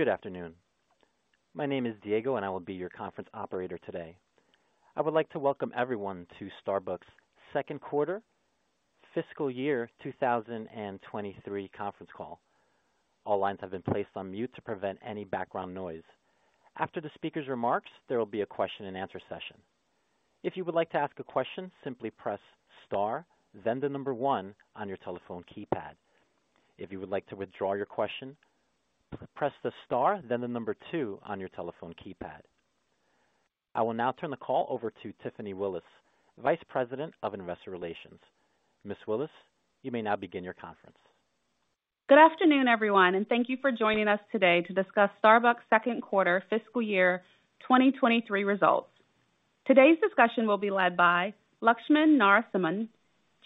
Good afternoon. My name is Diego, and I will be your conference operator today. I would like to welcome everyone to Starbucks second quarter fiscal year 2023 conference call. All lines have been placed on mute to prevent any background noise. After the speaker's remarks, there will be a Q&A session. If you would like to ask a question, simply press star, then the one on your telephone keypad. If you would like to withdraw your question, press the star then the number two on your telephone keypad. I will now turn the call over to Tiffany Willis, vice president of investor relations. Ms. Willis, you may now begin your conference. Good afternoon, everyone, and thank you for joining us today to discuss Starbucks second quarter fiscal year 2023 results. Today's discussion will be led by Laxman Narasimhan,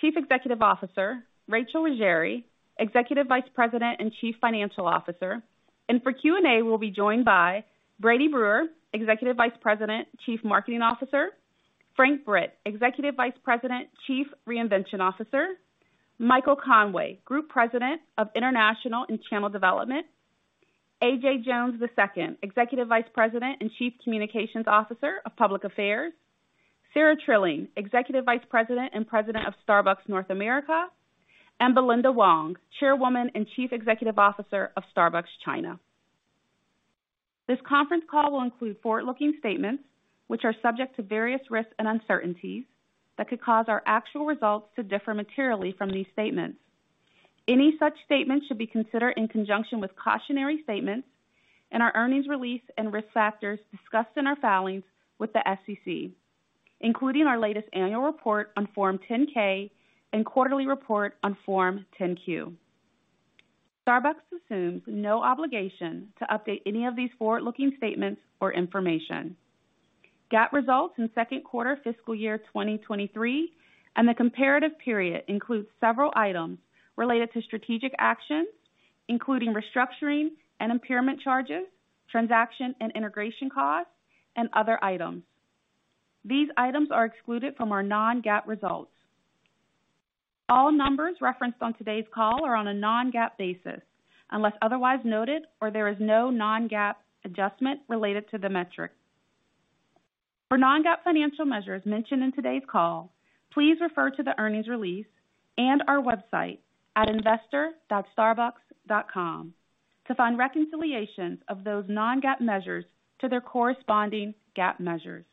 Chief Executive Officer, Rachel Ruggeri, Executive Vice President and Chief Financial Officer. For Q&A, we'll be joined by Brady Brewer, Executive Vice President, Chief Marketing Officer. Frank Britt, Executive Vice President, Chief Reinvention Officer. Michael Conway, Group President of International and Channel Development. AJ Jones II, Executive Vice President and Chief Communications Officer of Public Affairs. Sara Trilling, Executive Vice President and President of Starbucks North America, and Belinda Wong, Chairwoman and Chief Executive Officer of Starbucks China. This conference call will include forward-looking statements, which are subject to various risks and uncertainties that could cause our actual results to differ materially from these statements. Any such statements should be considered in conjunction with cautionary statements in our earnings release and risk factors discussed in our filings with the SEC, including our latest annual report on Form 10-K and quarterly report on Form 10-Q. Starbucks assumes no obligation to update any of these forward-looking statements or information. GAAP results in second quarter fiscal year 2023 and the comparative period includes several items related to strategic actions, including restructuring and impairment charges, transaction and integration costs, and other items. These items are excluded from our non-GAAP results. All numbers referenced on today's call are on a non-GAAP basis, unless otherwise noted or there is no non-GAAP adjustment related to the metric. For non-GAAP financial measures mentioned in today's call, please refer to the earnings release and our website at investor.starbucks.com to find reconciliations of those non-GAAP measures to their corresponding GAAP measures.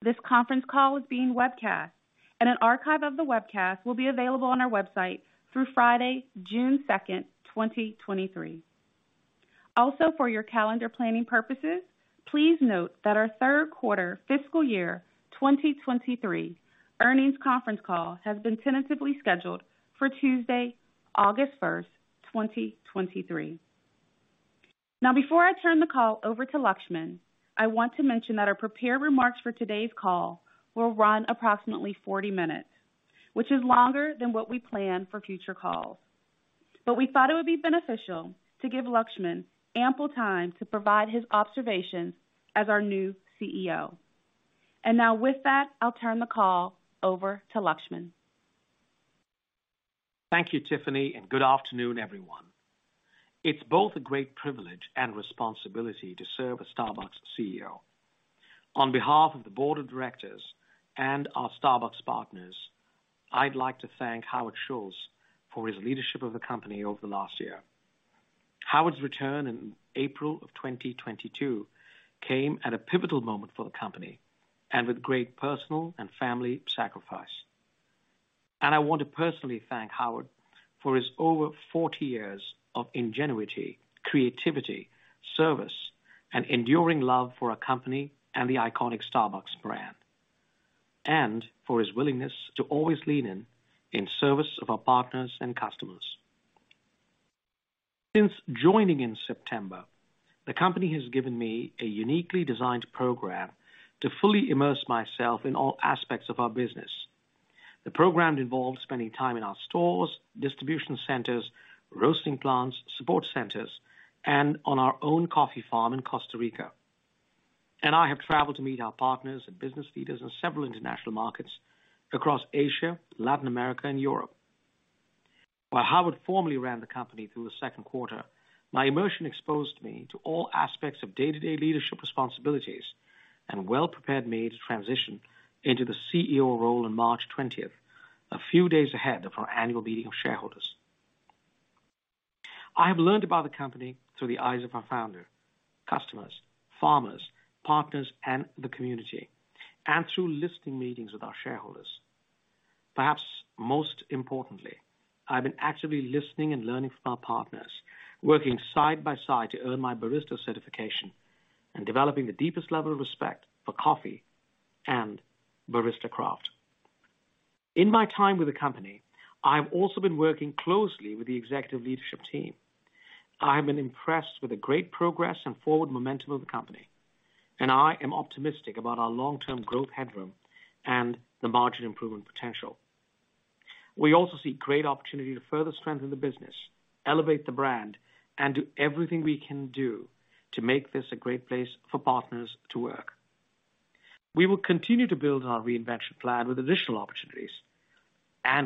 This conference call is being webcast, and an archive of the webcast will be available on our website through Friday, June 2nd, 2023. Also, for your calendar planning purposes, please note that our third quarter fiscal year 2023 earnings conference call has been tentatively scheduled for Tuesday, August 1st, 2023. Before I turn the call over to Laxman, I want to mention that our prepared remarks for today's call will run approximately 40 minutes, which is longer than what we plan for future calls. We thought it would be beneficial to give Laxman ample time to provide his observations as our new CEO. With that, I'll turn the call over to Laxman. Thank you, Tiffany. Good afternoon, everyone. It's both a great privilege and responsibility to serve as Starbucks' CEO. On behalf of the board of directors and our Starbucks partners, I'd like to thank Howard Schultz for his leadership of the company over the last year. Howard's return in April of 2022 came at a pivotal moment for the company and with great personal and family sacrifice. I want to personally thank Howard for his over 40 years of ingenuity, creativity, service, and enduring love for our company and the iconic Starbucks brand. For his willingness to always lean in in service of our partners and customers. Since joining in September, the company has given me a uniquely designed program to fully immerse myself in all aspects of our business. The program involves spending time in our stores, distribution centers, roasting plants, support centers, and on our own coffee farm in Costa Rica. I have traveled to meet our partners and business leaders in several international markets across Asia, Latin America, and Europe. While Howard formally ran the company through the 2nd quarter, my immersion exposed me to all aspects of day-to-day leadership responsibilities and well prepared me to transition into the CEO role on March 20th, a few days ahead of our annual meeting of shareholders. I have learned about the company through the eyes of our founder, customers, farmers, partners, and the community, and through listing meetings with our shareholders. Perhaps most importantly, I've been actively listening and learning from our partners, working side by side to earn my barista certification and developing the deepest level of respect for coffee and barista craft. In my time with the company, I have also been working closely with the executive leadership team. I have been impressed with the great progress and forward momentum of the company, I am optimistic about our long-term growth headroom and the margin improvement potential. We also see great opportunity to further strengthen the business, elevate the brand, and do everything we can do to make this a great place for partners to work. We will continue to build our reinvention plan with additional opportunities.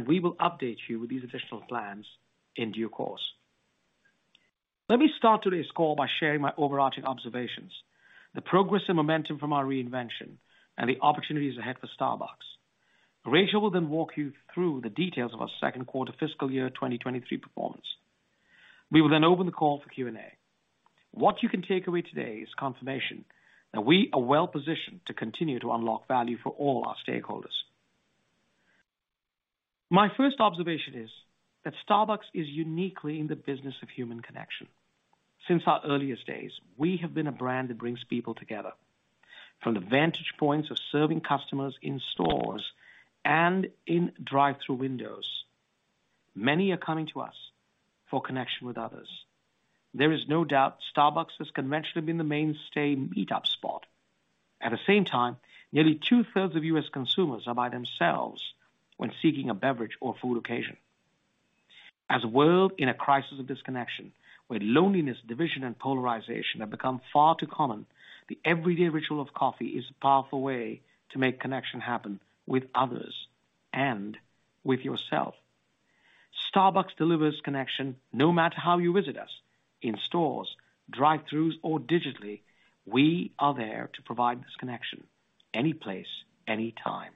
We will update you with these additional plans in due course. Let me start today's call by sharing my overarching observations, the progress and momentum from our reinvention, and the opportunities ahead for Starbucks. Rachel will walk you through the details of our second quarter fiscal year 2023 performance. We will open the call for Q&A. What you can take away today is confirmation that we are well-positioned to continue to unlock value for all our stakeholders. My first observation is that Starbucks is uniquely in the business of human connection. Since our earliest days, we have been a brand that brings people together. From the vantage points of serving customers in stores and in drive-through windows, many are coming to us for connection with others. There is no doubt Starbucks has conventionally been the mainstay meet-up spot. At the same time, nearly 2/3 of U.S. consumers are by themselves when seeking a beverage or food occasion. As a world in a crisis of disconnection, where loneliness, division, and polarization have become far too common, the everyday ritual of coffee is a powerful way to make connection happen with others and with yourself. Starbucks delivers connection no matter how you visit us. In stores, drive-throughs, or digitally, we are there to provide this connection any place, any time.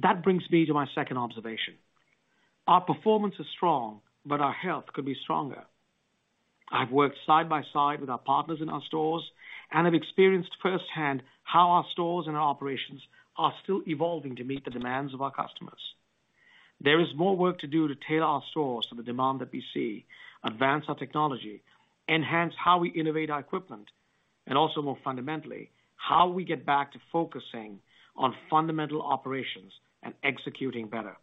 That brings me to my second observation. Our performance is strong, but our health could be stronger. I've worked side by side with our partners in our stores, and I've experienced firsthand how our stores and our operations are still evolving to meet the demands of our customers. There is more work to do to tailor our stores to the demand that we see, advance our technology, enhance how we innovate our equipment, and also, more fundamentally, how we get back to focusing on fundamental operations and executing better.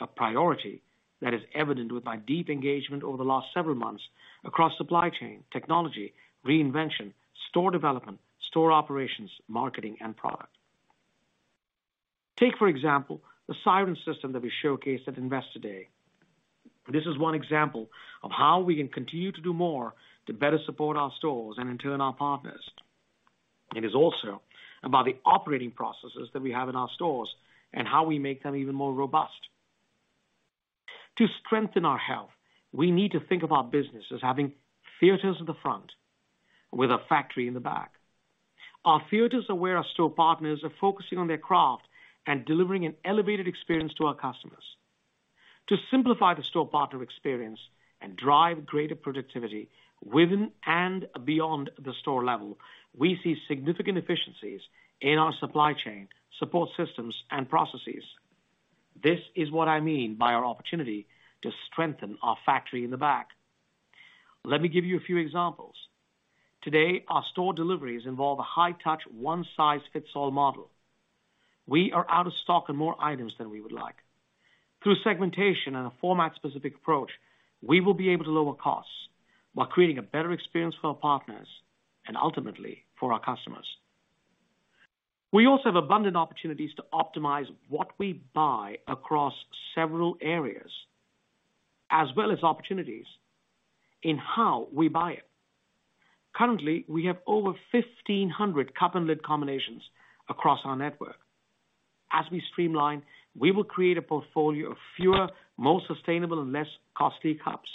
A priority that is evident with my deep engagement over the last several months across supply chain, technology, reinvention, store development, store operations, marketing, and product. Take, for example, the Siren System that we showcased at Investor Day. This is one example of how we can continue to do more to better support our stores and, in turn, our partners. It is also about the operating processes that we have in our stores and how we make them even more robust. To strengthen our health, we need to think of our business as having theaters in the front with a factory in the back. Our theaters are where our store partners are focusing on their craft and delivering an elevated experience to our customers. To simplify the store partner experience and drive greater productivity within and beyond the store level, we see significant efficiencies in our supply chain, support systems, and processes. This is what I mean by our opportunity to strengthen our factory in the back. Let me give you a few examples. Today, our store deliveries involve a high-touch, one-size-fits-all model. We are out of stock on more items than we would like. Through segmentation and a format-specific approach, we will be able to lower costs while creating a better experience for our partners and ultimately for our customers. We also have abundant opportunities to optimize what we buy across several areas, as well as opportunities in how we buy it. Currently, we have over 1,500 cup and lid combinations across our network. As we streamline, we will create a portfolio of fewer, more sustainable, and less costly cups,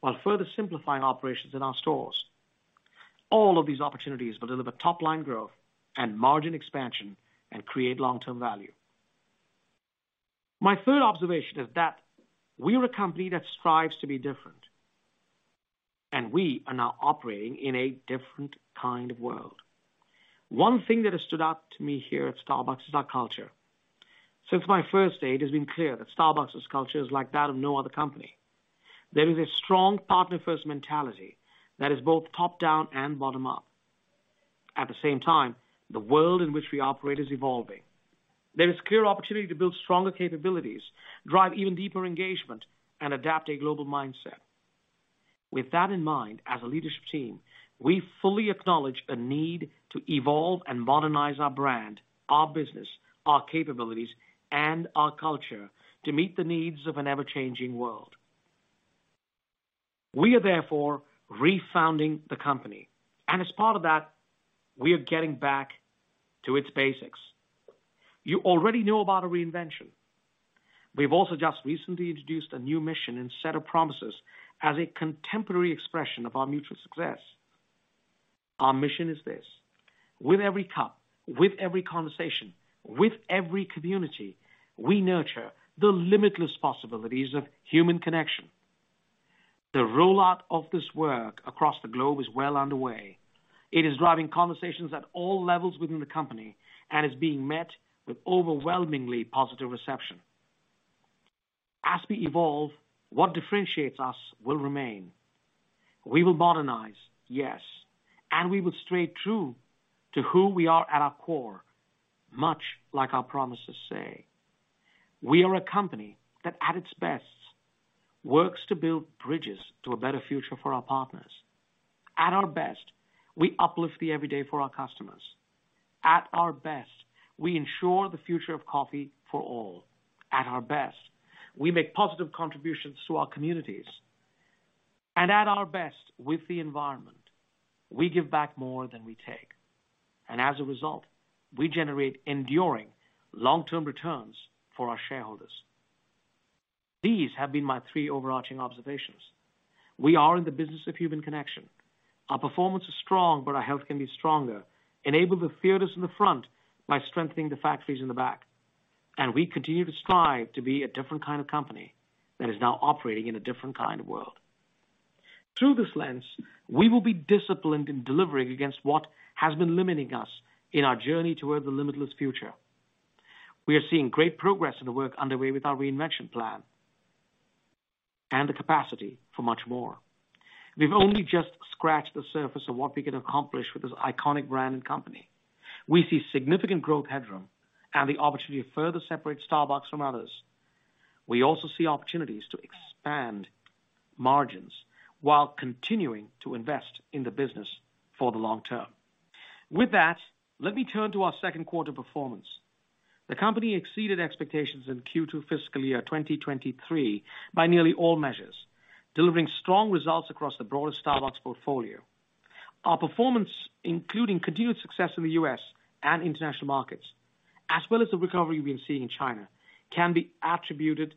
while further simplifying operations in our stores. All of these opportunities will deliver top-line growth and margin expansion and create long-term value. My third observation is that we are a company that strives to be different, and we are now operating in a different kind of world. One thing that has stood out to me here at Starbucks is our culture. Since my first day, it has been clear that Starbucks' culture is like that of no other company. There is a strong partner-first mentality that is both top-down and bottom-up. At the same time, the world in which we operate is evolving. There is clear opportunity to build stronger capabilities, drive even deeper engagement, and adapt a global mindset. With that in mind, as a leadership team, we fully acknowledge a need to evolve and modernize our brand, our business, our capabilities, and our culture to meet the needs of an ever-changing world. We are therefore refounding the company, and as part of that, we are getting back to its basics. You already know about a reinvention. We've also just recently introduced a new mission and set of promises as a contemporary expression of our mutual success. Our mission is this: With every cup, with every conversation, with every community, we nurture the limitless possibilities of human connection. The rollout of this work across the globe is well underway. It is driving conversations at all levels within the company and is being met with overwhelmingly positive reception. As we evolve, what differentiates us will remain. We will modernize, yes, and we will stay true to who we are at our core, much like our promises say. We are a company that, at its best, works to build bridges to a better future for our partners. At our best, we uplift the everyday for our customers. At our best, we ensure the future of coffee for all. At our best, we make positive contributions to our communities. At our best with the environment, we give back more than we take. As a result, we generate enduring long-term returns for our shareholders. These have been my three overarching observations. We are in the business of human connection. Our performance is strong, but our health can be stronger. Enable the theaters in the front by strengthening the factories in the back. We continue to strive to be a different kind of company that is now operating in a different kind of world. Through this lens, we will be disciplined in delivering against what has been limiting us in our journey toward the limitless future. We are seeing great progress in the work underway with our reinvention plan and the capacity for much more. We've only just scratched the surface of what we can accomplish with this iconic brand and company. We see significant growth headroom and the opportunity to further separate Starbucks from others. We also see opportunities to expand margins while continuing to invest in the business for the long term. Let me turn to our second quarter performance. The company exceeded expectations in Q2 fiscal year 2023 by nearly all measures, delivering strong results across the broader Starbucks portfolio. Our performance, including continued success in the U.S. and international markets, as well as the recovery we've been seeing in China, can be attributed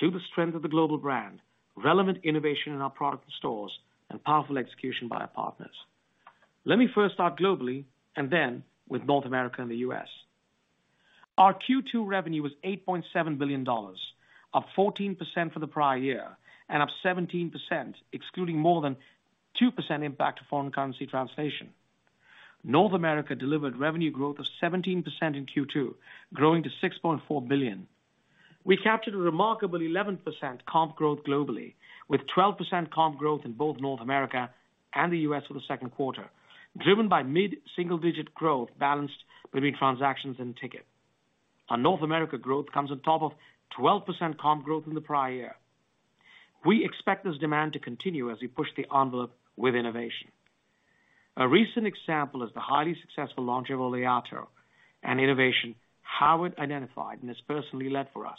to the strength of the global brand, relevant innovation in our product and stores, and powerful execution by our partners. Let me first start globally and then with North America and the U.S. Our Q2 revenue was $8.7 billion, up 14% for the prior year and up 17%, excluding more than 2% impact of foreign currency translation. North America delivered revenue growth of 17% in Q2, growing to $6.4 billion. We captured a remarkable 11% comp growth globally, with 12% comp growth in both North America and the U.S. for the second quarter, driven by mid-single-digit growth balanced between transactions and ticket. Our North America growth comes on top of 12% comp growth in the prior year. We expect this demand to continue as we push the envelope with innovation. A recent example is the highly successful launch of Oleato, an innovation Howard identified and has personally led for us.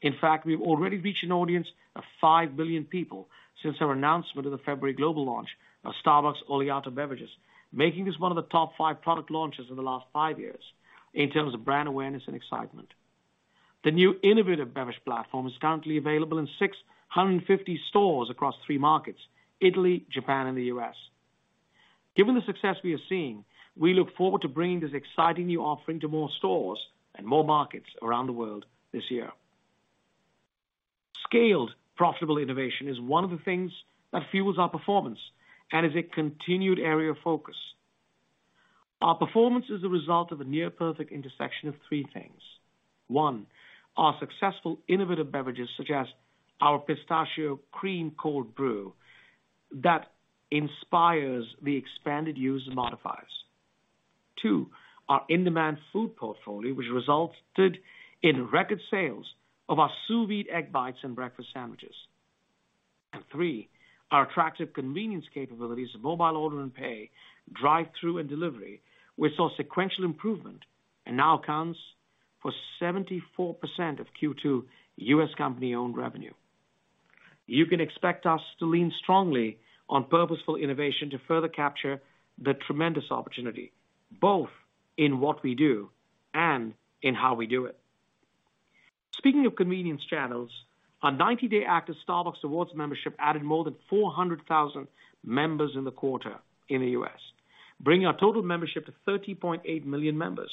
In fact, we've already reached an audience of 5 billion people since our announcement of the February global launch of Starbucks Oleato beverages, making this one of the top five product launches in the last five years in terms of brand awareness and excitement. The new innovative beverage platform is currently available in 650 stores across three markets, Italy, Japan, and the U.S. Given the success we are seeing, we look forward to bringing this exciting new offering to more stores and more markets around the world this year. Scaled profitable innovation is one of the things that fuels our performance and is a continued area of focus. Our performance is the result of a near perfect intersection of three things. One, our successful innovative beverages, such as our Pistachio Cream Cold Brew, that inspires the expanded use of modifiers. Two, our in-demand food portfolio, which resulted in record sales of our Sous Vide Egg Bites and breakfast sandwiches. Three, our attractive convenience capabilities of Mobile Order and Pay, drive-thru, and delivery, which saw sequential improvement and now accounts for 74% of Q2 U.S. company-owned revenue. You can expect us to lean strongly on purposeful innovation to further capture the tremendous opportunity, both in what we do and in how we do it. Speaking of convenience channels, our 90-day active Starbucks Rewards membership added more than 400,000 members in the quarter in the U.S., bringing our total membership to 30.8 million members.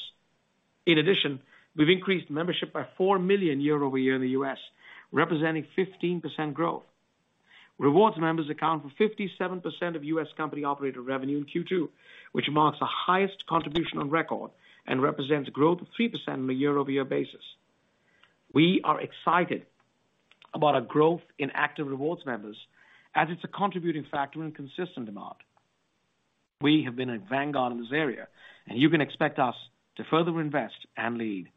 In addition, we've increased membership by 4 million year-over-year in the U.S., representing 15% growth. Rewards members account for 57% of U.S. company operator revenue in Q2, which marks the highest contribution on record and represents growth of 3% on a year-over-year basis. We are excited about our growth in active Rewards members as it's a contributing factor in consistent demand. We have been a vanguard in this area, and you can expect us to further invest and lead.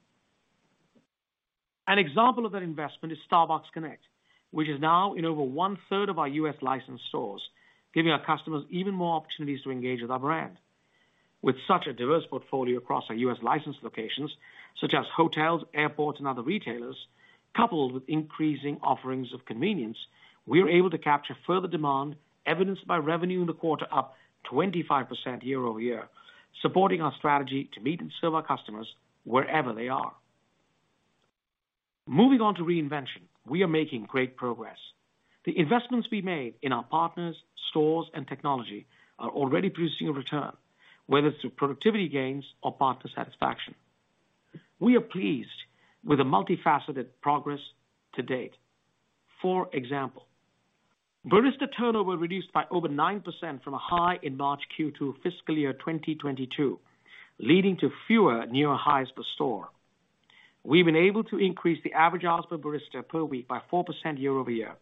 An example of that investment is Starbucks Connect, which is now in over 1/3 of our U.S. licensed stores, giving our customers even more opportunities to engage with our brand. With such a diverse portfolio across our U.S. licensed locations, such as hotels, airports, and other retailers, coupled with increasing offerings of convenience, we are able to capture further demand evidenced by revenue in the quarter up 25% year-over-year, supporting our strategy to meet and serve our customers wherever they are. Moving on to reinvention, we are making great progress. The investments we made in our partners, stores, and technology are already producing a return, whether it's through productivity gains or partner satisfaction. We are pleased with the multifaceted progress to date. For example, barista turnover reduced by over 9% from a high in March Q2 fiscal year 2022, leading to fewer near highs per store. We've been able to increase the average hours per barista per week by 4% year-over-year,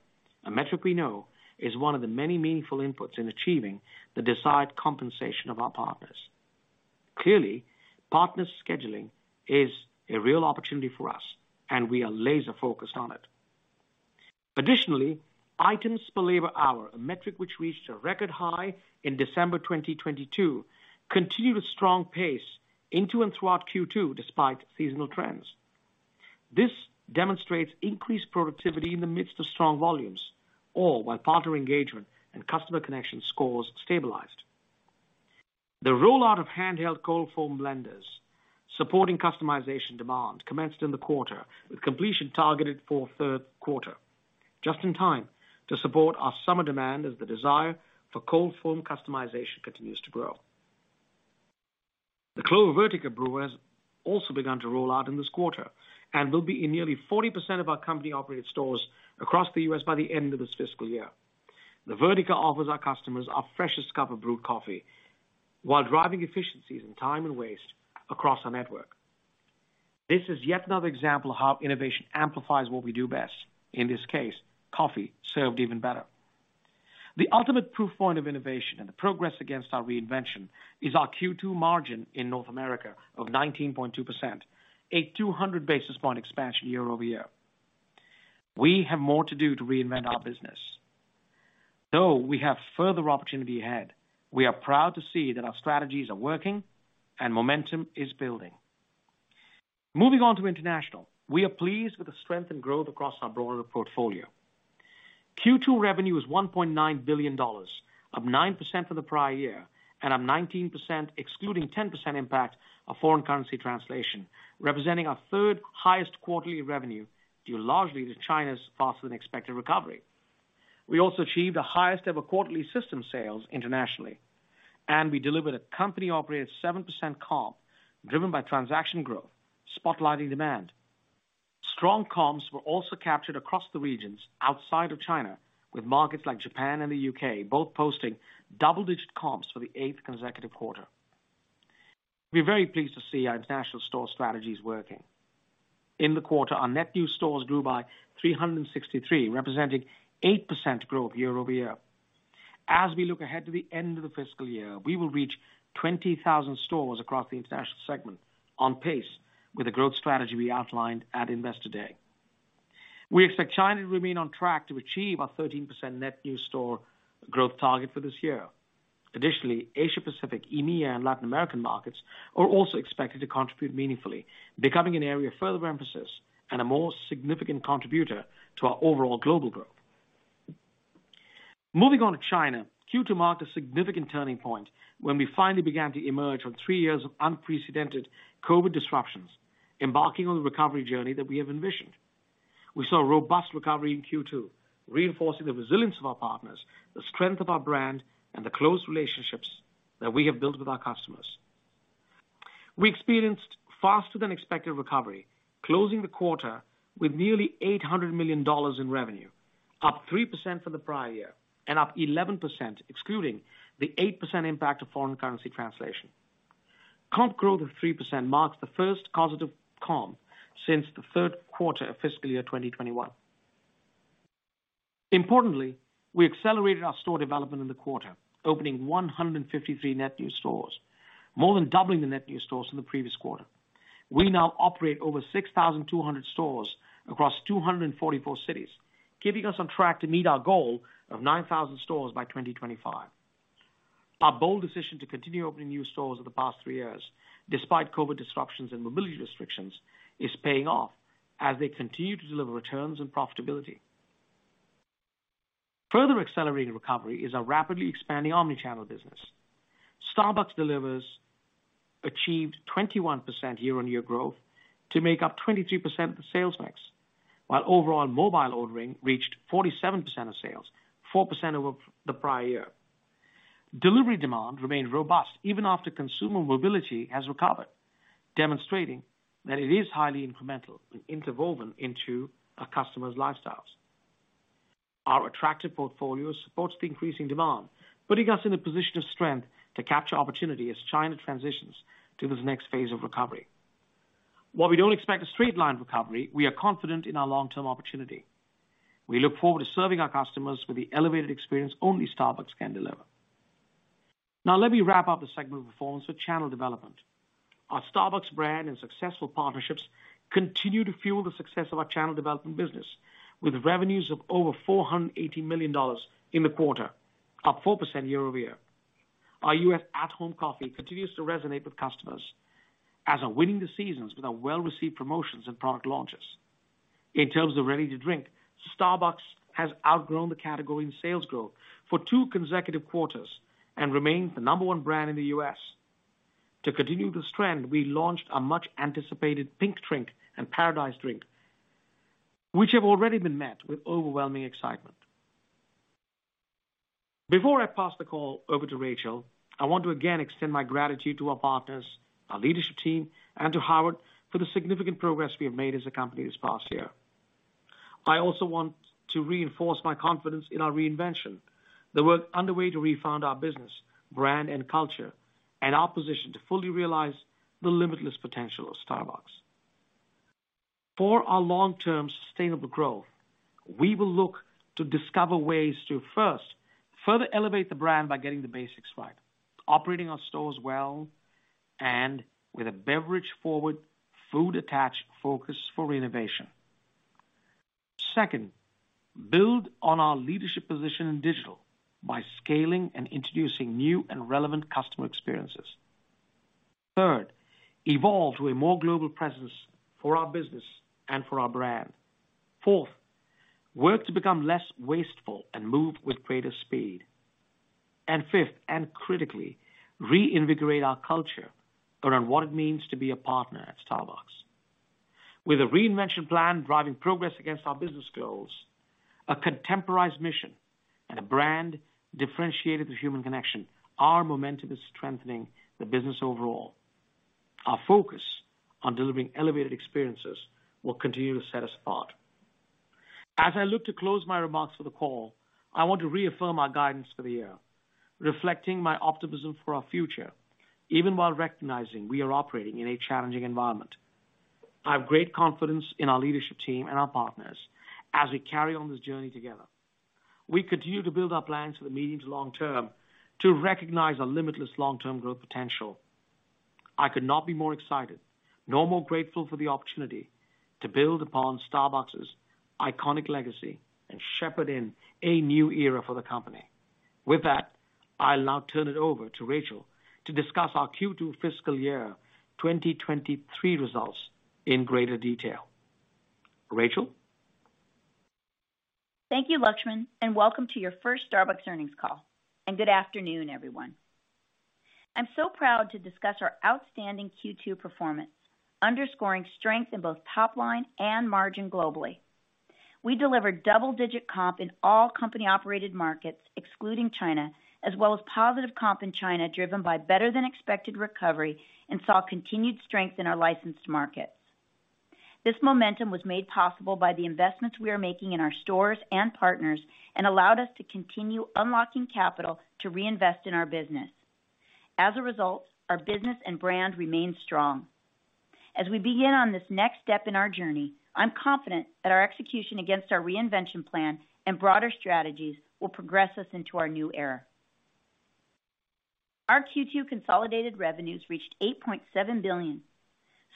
a metric we know is one of the many meaningful inputs in achieving the desired compensation of our partners. Clearly, partner scheduling is a real opportunity for us, and we are laser focused on it. Additionally, items per labor hour, a metric which reached a record high in December 2022, continued a strong pace into and throughout Q2 despite seasonal trends. This demonstrates increased productivity in the midst of strong volumes, all while partner engagement and customer connection scores stabilized. The rollout of handheld cold foam blenders supporting customization demand commenced in the quarter, with completion targeted for third quarter, just in time to support our summer demand as the desire for cold foam customization continues to grow. The Clover Vertica brewer has also begun to roll out in this quarter and will be in nearly 40% of our company-operated stores across the U.S. by the end of this fiscal year. The Vertica offers our customers our freshest cup of brewed coffee while driving efficiencies in time and waste across our network. This is yet another example of how innovation amplifies what we do best. In this case, coffee served even better. The ultimate proof point of innovation and the progress against our reinvention is our Q2 margin in North America of 19.2%, a 200 basis point expansion year-over-year. We have more to do to reinvent our business. Though we have further opportunity ahead, we are proud to see that our strategies are working and momentum is building. Moving on to international. We are pleased with the strength and growth across our broader portfolio. Q2 revenue is $1.9 billion, up 9% for the prior year and up 19% excluding 10% impact of foreign currency translation, representing our third highest quarterly revenue due largely to China's faster than expected recovery. We also achieved the highest ever quarterly system sales internationally, and we delivered a company-operated 7% comp driven by transaction growth spotlighting demand. Strong comps were also captured across the regions outside of China, with markets like Japan and the U.K. both posting double-digit comps for the eighth consecutive quarter. We're very pleased to see our international store strategies working. In the quarter, our net new stores grew by 363, representing 8% growth year-over-year. As we look ahead to the end of the fiscal year, we will reach 20,000 stores across the international segment on pace with the growth strategy we outlined at Investor Day. We expect China to remain on track to achieve our 13% net new store growth target for this year. Asia-Pacific, EMEA, and Latin American markets are also expected to contribute meaningfully, becoming an area of further emphasis and a more significant contributor to our overall global growth. Moving on to China. Q2 marked a significant turning point when we finally began to emerge from three years of unprecedented COVID disruptions, embarking on the recovery journey that we have envisioned. We saw a robust recovery in Q2, reinforcing the resilience of our partners, the strength of our brand, and the close relationships that we have built with our customers. We experienced faster than expected recovery, closing the quarter with nearly $800 million in revenue, up 3% for the prior year and up 11% excluding the 8% impact of foreign currency translation. Comp growth of 3% marks the first positive comp since the third quarter of fiscal year 2021. Importantly, we accelerated our store development in the quarter, opening 153 net new stores, more than doubling the net new stores in the previous quarter. We now operate over 6,200 stores across 244 cities, keeping us on track to meet our goal of 9,000 stores by 2025. Our bold decision to continue opening new stores over the past three years, despite COVID disruptions and mobility restrictions, is paying off as they continue to deliver returns and profitability. Further accelerating recovery is our rapidly expanding omni-channel business. Starbucks Delivers achieved 21% year-on-year growth to make up 23% of the sales mix, while overall mobile ordering reached 47% of sales, 4% over the prior year. Delivery demand remained robust even after consumer mobility has recovered, demonstrating that it is highly incremental and interwoven into our customers' lifestyles. Our attractive portfolio supports the increasing demand, putting us in a position of strength to capture opportunity as China transitions to this next phase of recovery. While we don't expect a straight line recovery, we are confident in our long-term opportunity. We look forward to serving our customers with the elevated experience only Starbucks can deliver. Let me wrap up the segment performance with channel development. Our Starbucks brand and successful partnerships continue to fuel the success of our channel development business with revenues of over $480 million in the quarter, up 4% year-over-year. Our U.S. at-home coffee continues to resonate with customers as are winning the seasons with our well-received promotions and product launches. In terms of ready-to-drink, Starbucks has outgrown the category in sales growth for two consecutive quarters and remains the number one brand in the U.S. To continue this trend, we launched our much-anticipated Pink Drink and Paradise Drink, which have already been met with overwhelming excitement. Before I pass the call over to Rachel, I want to again extend my gratitude to our partners, our leadership team, and to Howard for the significant progress we have made as a company this past year. I also want to reinforce my confidence in our reinvention, the work underway to refound our business, brand, and culture, and our position to fully realize the limitless potential of Starbucks. For our long-term sustainable growth, we will look to discover ways to, first, further elevate the brand by getting the basics right, operating our stores well, and with a beverage-forward, food-attached focus for innovation. Second, build on our leadership position in digital by scaling and introducing new and relevant customer experiences. Third, evolve to a more global presence for our business and for our brand. Fourth, work to become less wasteful and move with greater speed. Fifth and critically, reinvigorate our culture around what it means to be a partner at Starbucks. With a reinvention plan driving progress against our business goals, a contemporized mission and a brand differentiated with human connection, our momentum is strengthening the business overall. Our focus on delivering elevated experiences will continue to set us apart. As I look to close my remarks for the call, I want to reaffirm our guidance for the year, reflecting my optimism for our future, even while recognizing we are operating in a challenging environment. I have great confidence in our leadership team and our partners as we carry on this journey together. We continue to build our plans for the medium to long term to recognize our limitless long-term growth potential. I could not be more excited, nor more grateful for the opportunity to build upon Starbucks' iconic legacy and shepherd in a new era for the company. With that, I'll now turn it over to Rachel to discuss our Q2 fiscal year 2023 results in greater detail. Rachel? Thank you, Laxman, welcome to your first Starbucks earnings call. Good afternoon, everyone. I'm so proud to discuss our outstanding Q2 performance, underscoring strength in both top line and margin globally. We delivered double-digit comp in all company-operated markets, excluding China, as well as positive comp in China, driven by better than expected recovery and saw continued strength in our licensed markets. This momentum was made possible by the investments we are making in our stores and partners and allowed us to continue unlocking capital to reinvest in our business. As a result, our business and brand remain strong. As we begin on this next step in our journey, I'm confident that our execution against our reinvention plan and broader strategies will progress us into our new era. Our Q2 consolidated revenues reached $8.7 billion,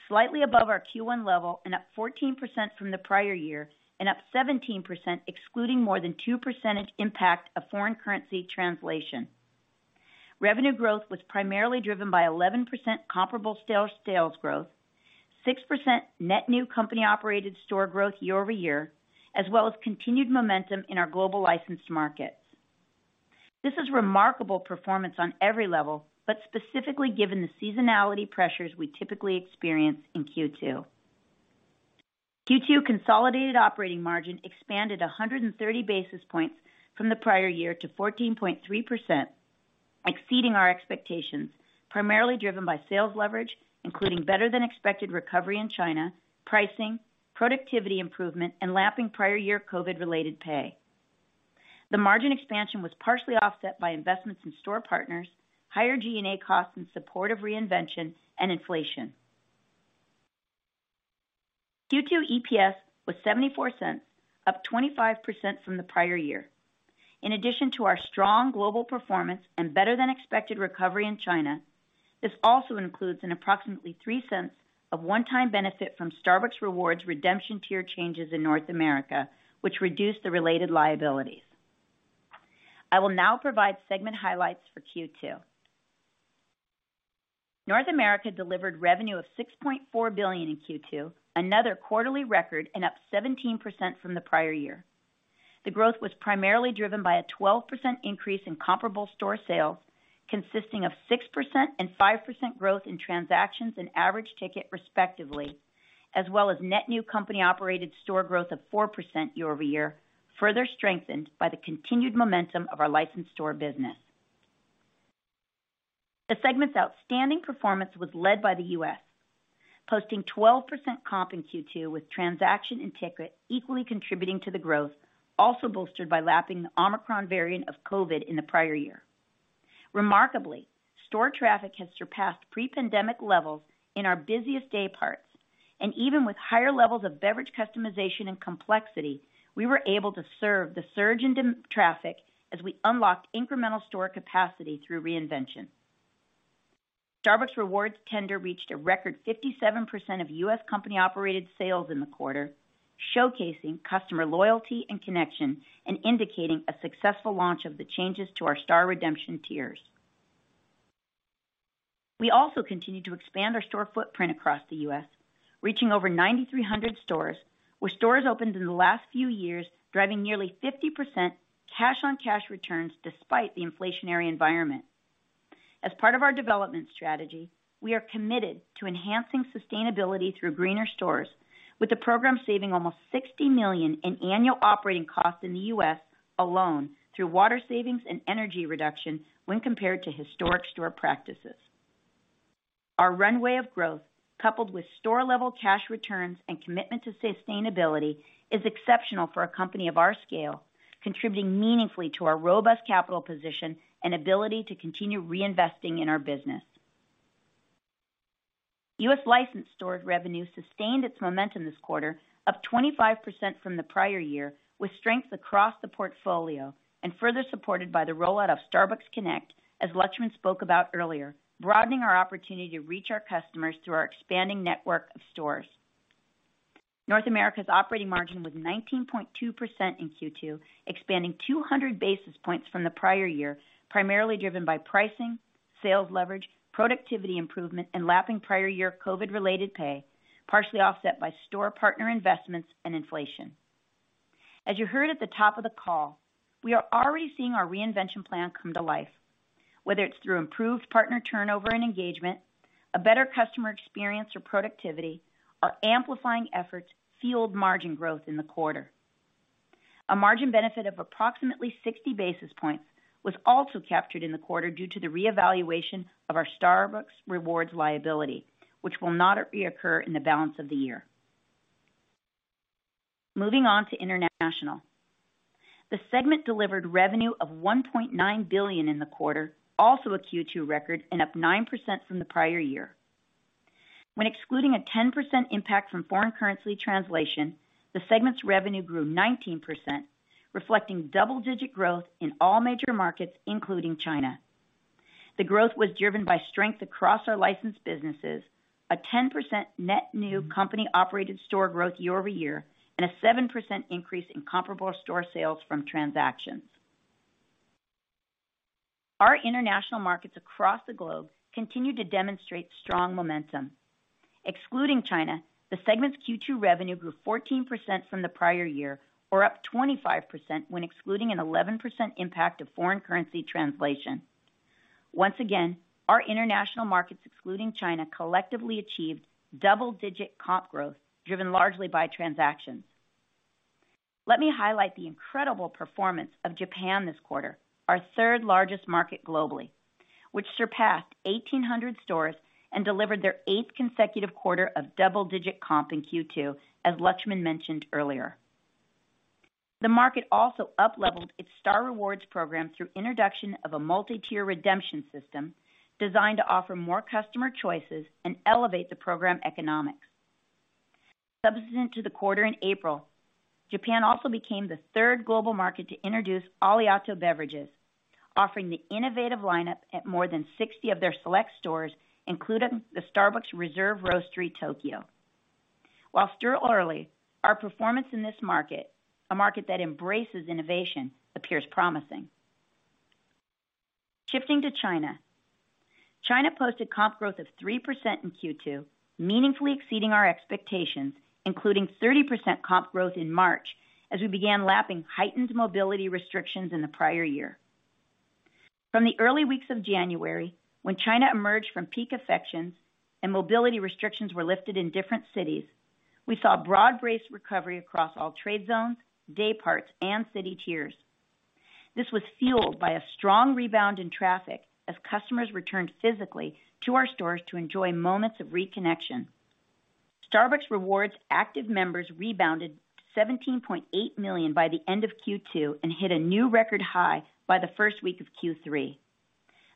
slightly above our Q1 level and up 14% from the prior year and up 17% excluding more than 2% impact of foreign currency translation. Revenue growth was primarily driven by 11% comparable sales growth, 6% net new company-operated store growth year-over-year, as well as continued momentum in our global licensed markets. This is remarkable performance on every level, but specifically given the seasonality pressures we typically experience in Q2. Q2 consolidated operating margin expanded 130 basis points from the prior year to 14.3%, exceeding our expectations, primarily driven by sales leverage, including better than expected recovery in China, pricing, productivity improvement, and lapping prior year COVID-related pay. The margin expansion was partially offset by investments in store partners, higher G&A costs in support of reinvention and inflation. Q2 EPS was $0.74, up 25% from the prior year. In addition to our strong global performance and better than expected recovery in China, this also includes an approximately $0.03 of one-time benefit from Starbucks Rewards redemption tier changes in North America, which reduced the related liabilities. I will now provide segment highlights for Q2. North America delivered revenue of $6.4 billion in Q2, another quarterly record and up 17% from the prior year. The growth was primarily driven by a 12% increase in comparable store sales, consisting of 6% and 5% growth in transactions and average ticket, respectively, as well as net new company-operated store growth of 4% year-over-year, further strengthened by the continued momentum of our licensed store business. The segment's outstanding performance was led by the U.S., posting 12% comp in Q2 with transaction and ticket equally contributing to the growth, also bolstered by lapping the Omicron variant of COVID in the prior year. Remarkably, store traffic has surpassed pre-pandemic levels in our busiest day parts, and even with higher levels of beverage customization and complexity, we were able to serve the surge in traffic as we unlocked incremental store capacity through reinvention. Starbucks Rewards tender reached a record 57% of U.S. company-operated sales in the quarter, showcasing customer loyalty and connection and indicating a successful launch of the changes to our Star redemption tiers. We also continued to expand our store footprint across the U.S., reaching over 9,300 stores, with stores opened in the last few years, driving nearly 50% cash-on-cash returns despite the inflationary environment. As part of our development strategy, we are committed to enhancing sustainability through greener stores, with the program saving almost $60 million in annual operating costs in the U.S. alone through water savings and energy reduction when compared to historic store practices. Our runway of growth, coupled with store-level cash returns and commitment to sustainability, is exceptional for a company of our scale, contributing meaningfully to our robust capital position and ability to continue reinvesting in our business. US licensed store revenue sustained its momentum this quarter, up 25% from the prior year, with strength across the portfolio and further supported by the rollout of Starbucks Connect, as Laxman spoke about earlier, broadening our opportunity to reach our customers through our expanding network of stores. North America's operating margin was 19.2% in Q2, expanding 200 basis points from the prior year, primarily driven by pricing, sales leverage, productivity improvement, and lapping prior year COVID-related pay, partially offset by store partner investments and inflation. As you heard at the top of the call, we are already seeing our reinvention plan come to life. Whether it's through improved partner turnover and engagement, a better customer experience or productivity, our amplifying efforts fueled margin growth in the quarter. A margin benefit of approximately 60 basis points was also captured in the quarter due to the reevaluation of our Starbucks Rewards liability, which will not reoccur in the balance of the year. Moving on to international. The segment delivered revenue of $1.9 billion in the quarter, also a Q2 record and up 9% from the prior year. Excluding a 10% impact from foreign currency translation, the segment's revenue grew 19%, reflecting double-digit growth in all major markets, including China. The growth was driven by strength across our licensed businesses, a 10% net new company-operated store growth year-over-year, and a 7% increase in comparable store sales from transactions. Our international markets across the globe continue to demonstrate strong momentum. Excluding China, the segment's Q2 revenue grew 14% from the prior year, or up 25% when excluding an 11% impact of foreign currency translation. Once again, our international markets, excluding China, collectively achieved double-digit comp growth, driven largely by transactions. Let me highlight the incredible performance of Japan this quarter, our third-largest market globally, which surpassed 1,800 stores and delivered their eighth consecutive quarter of double-digit comp in Q2, as Laxman mentioned earlier. The market also upleveled its Starbucks Rewards program through introduction of a multi-tier redemption system designed to offer more customer choices and elevate the program economics. Subsequent to the quarter in April, Japan also became the third global market to introduce Oleato beverages, offering the innovative lineup at more than 60 of their select stores, including the Starbucks Reserve Roastery, Tokyo. While still early, our performance in this market, a market that embraces innovation, appears promising. Shifting to China. China posted comp growth of 3% in Q2, meaningfully exceeding our expectations, including 30% comp growth in March as we began lapping heightened mobility restrictions in the prior year. From the early weeks of January, when China emerged from peak infections and mobility restrictions were lifted in different cities, we saw broad-based recovery across all trade zones, day parts, and city tiers. This was fueled by a strong rebound in traffic as customers returned physically to our stores to enjoy moments of reconnection. Starbucks Rewards active members rebounded 17.8 million by the end of Q2 and hit a new record high by the first week of Q3.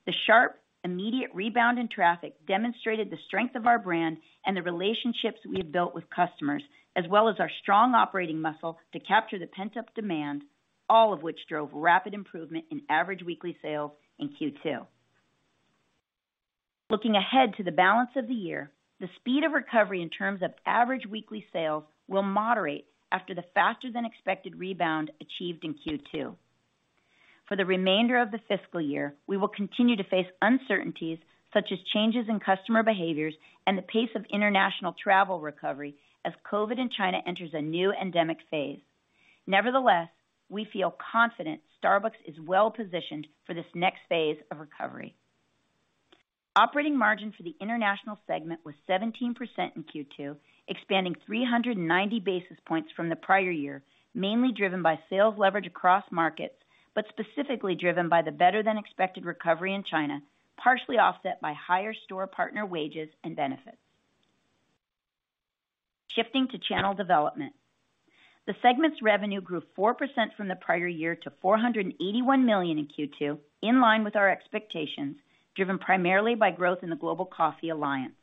The sharp, immediate rebound in traffic demonstrated the strength of our brand and the relationships we have built with customers, as well as our strong operating muscle to capture the pent-up demand, all of which drove rapid improvement in average weekly sales in Q2. Looking ahead to the balance of the year, the speed of recovery in terms of average weekly sales will moderate after the faster than expected rebound achieved in Q2. For the remainder of the fiscal year, we will continue to face uncertainties such as changes in customer behaviors and the pace of international travel recovery as COVID in China enters a new endemic phase. Nevertheless, we feel confident Starbucks is well-positioned for this next phase of recovery. Operating margin for the international segment was 17% in Q2, expanding 390 basis points from the prior year, mainly driven by sales leverage across markets, but specifically driven by the better than expected recovery in China, partially offset by higher store partner wages and benefits. Shifting to channel development. The segment's revenue grew 4% from the prior year to $481 million in Q2, in line with our expectations, driven primarily by growth in the Global Coffee Alliance.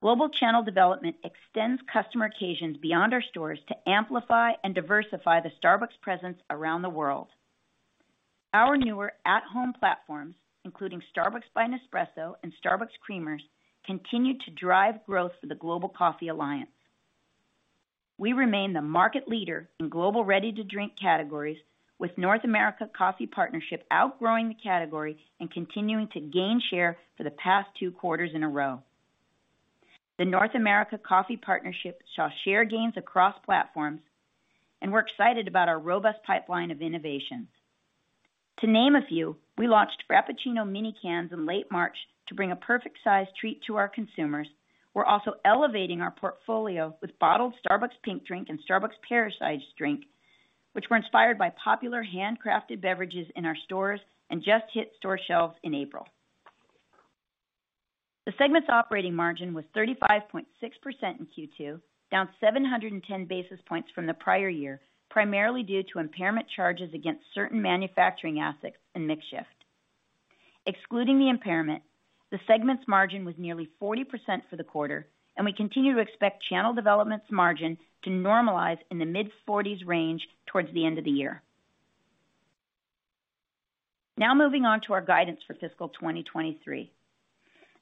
Global Channel Development extends customer occasions beyond our stores to amplify and diversify the Starbucks presence around the world. Our newer at-home platforms, including Starbucks by Nespresso and Starbucks Creamers, continue to drive growth for the Global Coffee Alliance. We remain the market leader in global ready-to-drink categories, with North America Coffee Partnership outgrowing the category and continuing to gain share for the past two quarters in a row. The North America Coffee Partnership saw share gains across platforms. We're excited about our robust pipeline of innovations. To name a few, we launched Frappuccino mini cans in late March to bring a perfect size treat to our consumers. We're also elevating our portfolio with bottled Starbucks Pink Drink and Starbucks Pear Ice Drink, which were inspired by popular handcrafted beverages in our stores and just hit store shelves in April. The segment's operating margin was 35.6% in Q2, down 710 basis points from the prior year, primarily due to impairment charges against certain manufacturing assets and mix shift. Excluding the impairment, the segment's margin was nearly 40% for the quarter, and we continue to expect Channel Development's margin to normalize in the mid-40s range towards the end of the year. Now moving on to our guidance for fiscal 2023.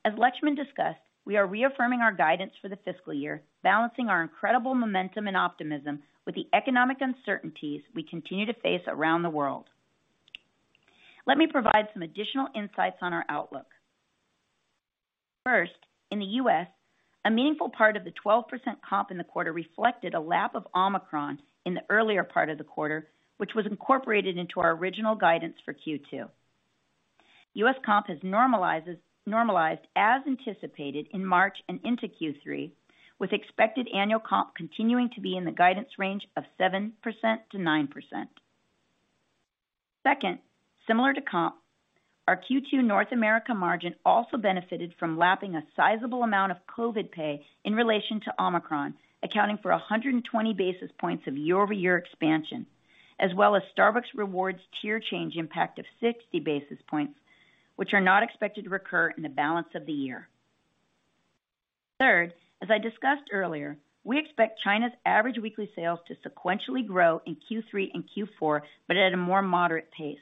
As Laxman discussed, we are reaffirming our guidance for the fiscal year, balancing our incredible momentum and optimism with the economic uncertainties we continue to face around the world. Let me provide some additional insights on our outlook. First, in the U.S., a meaningful part of the 12% comp in the quarter reflected a lap of Omicron in the earlier part of the quarter, which was incorporated into our original guidance for Q2. U.S. comp has normalized as anticipated in March and into Q3, with expected annual comp continuing to be in the guidance range of 7%-9%. Second, similar to comp, our Q2 North America margin also benefited from lapping a sizable amount of COVID pay in relation to Omicron, accounting for 120 basis points of year-over-year expansion, as well as Starbucks Rewards tier change impact of 60 basis points, which are not expected to recur in the balance of the year. Third, as I discussed earlier, we expect China's average weekly sales to sequentially grow in Q3 and Q4, but at a more moderate pace.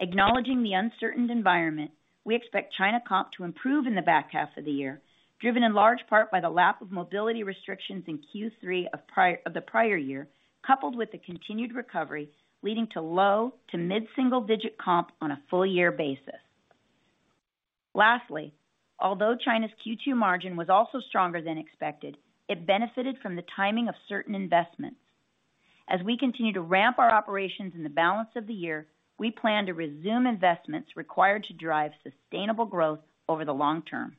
Acknowledging the uncertain environment, we expect China comp to improve in the back half of the year, driven in large part by the lap of mobility restrictions in Q3 of the prior year, coupled with the continued recovery leading to low to mid-single digit comp on a full year basis. Lastly, although China's Q2 margin was also stronger than expected, it benefited from the timing of certain investments. As we continue to ramp our operations in the balance of the year, we plan to resume investments required to drive sustainable growth over the long term.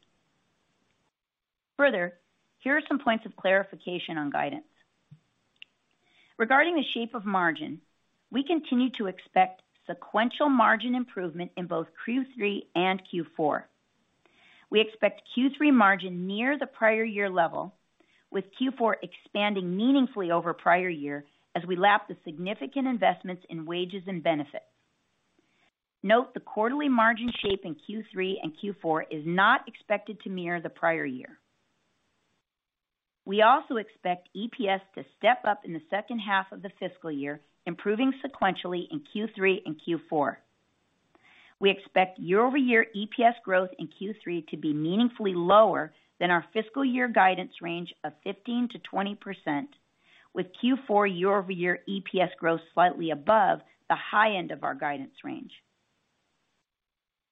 Here are some points of clarification on guidance. Regarding the shape of margin, we continue to expect sequential margin improvement in both Q3 and Q4. We expect Q3 margin near the prior year level, with Q4 expanding meaningfully over prior year as we lap the significant investments in wages and benefits. Note the quarterly margin shape in Q3 and Q4 is not expected to mirror the prior year. We also expect EPS to step up in the second half of the fiscal year, improving sequentially in Q3 and Q4. We expect year-over-year EPS growth in Q3 to be meaningfully lower than our fiscal year guidance range of 15%-20% with Q4 year-over-year EPS growth slightly above the high end of our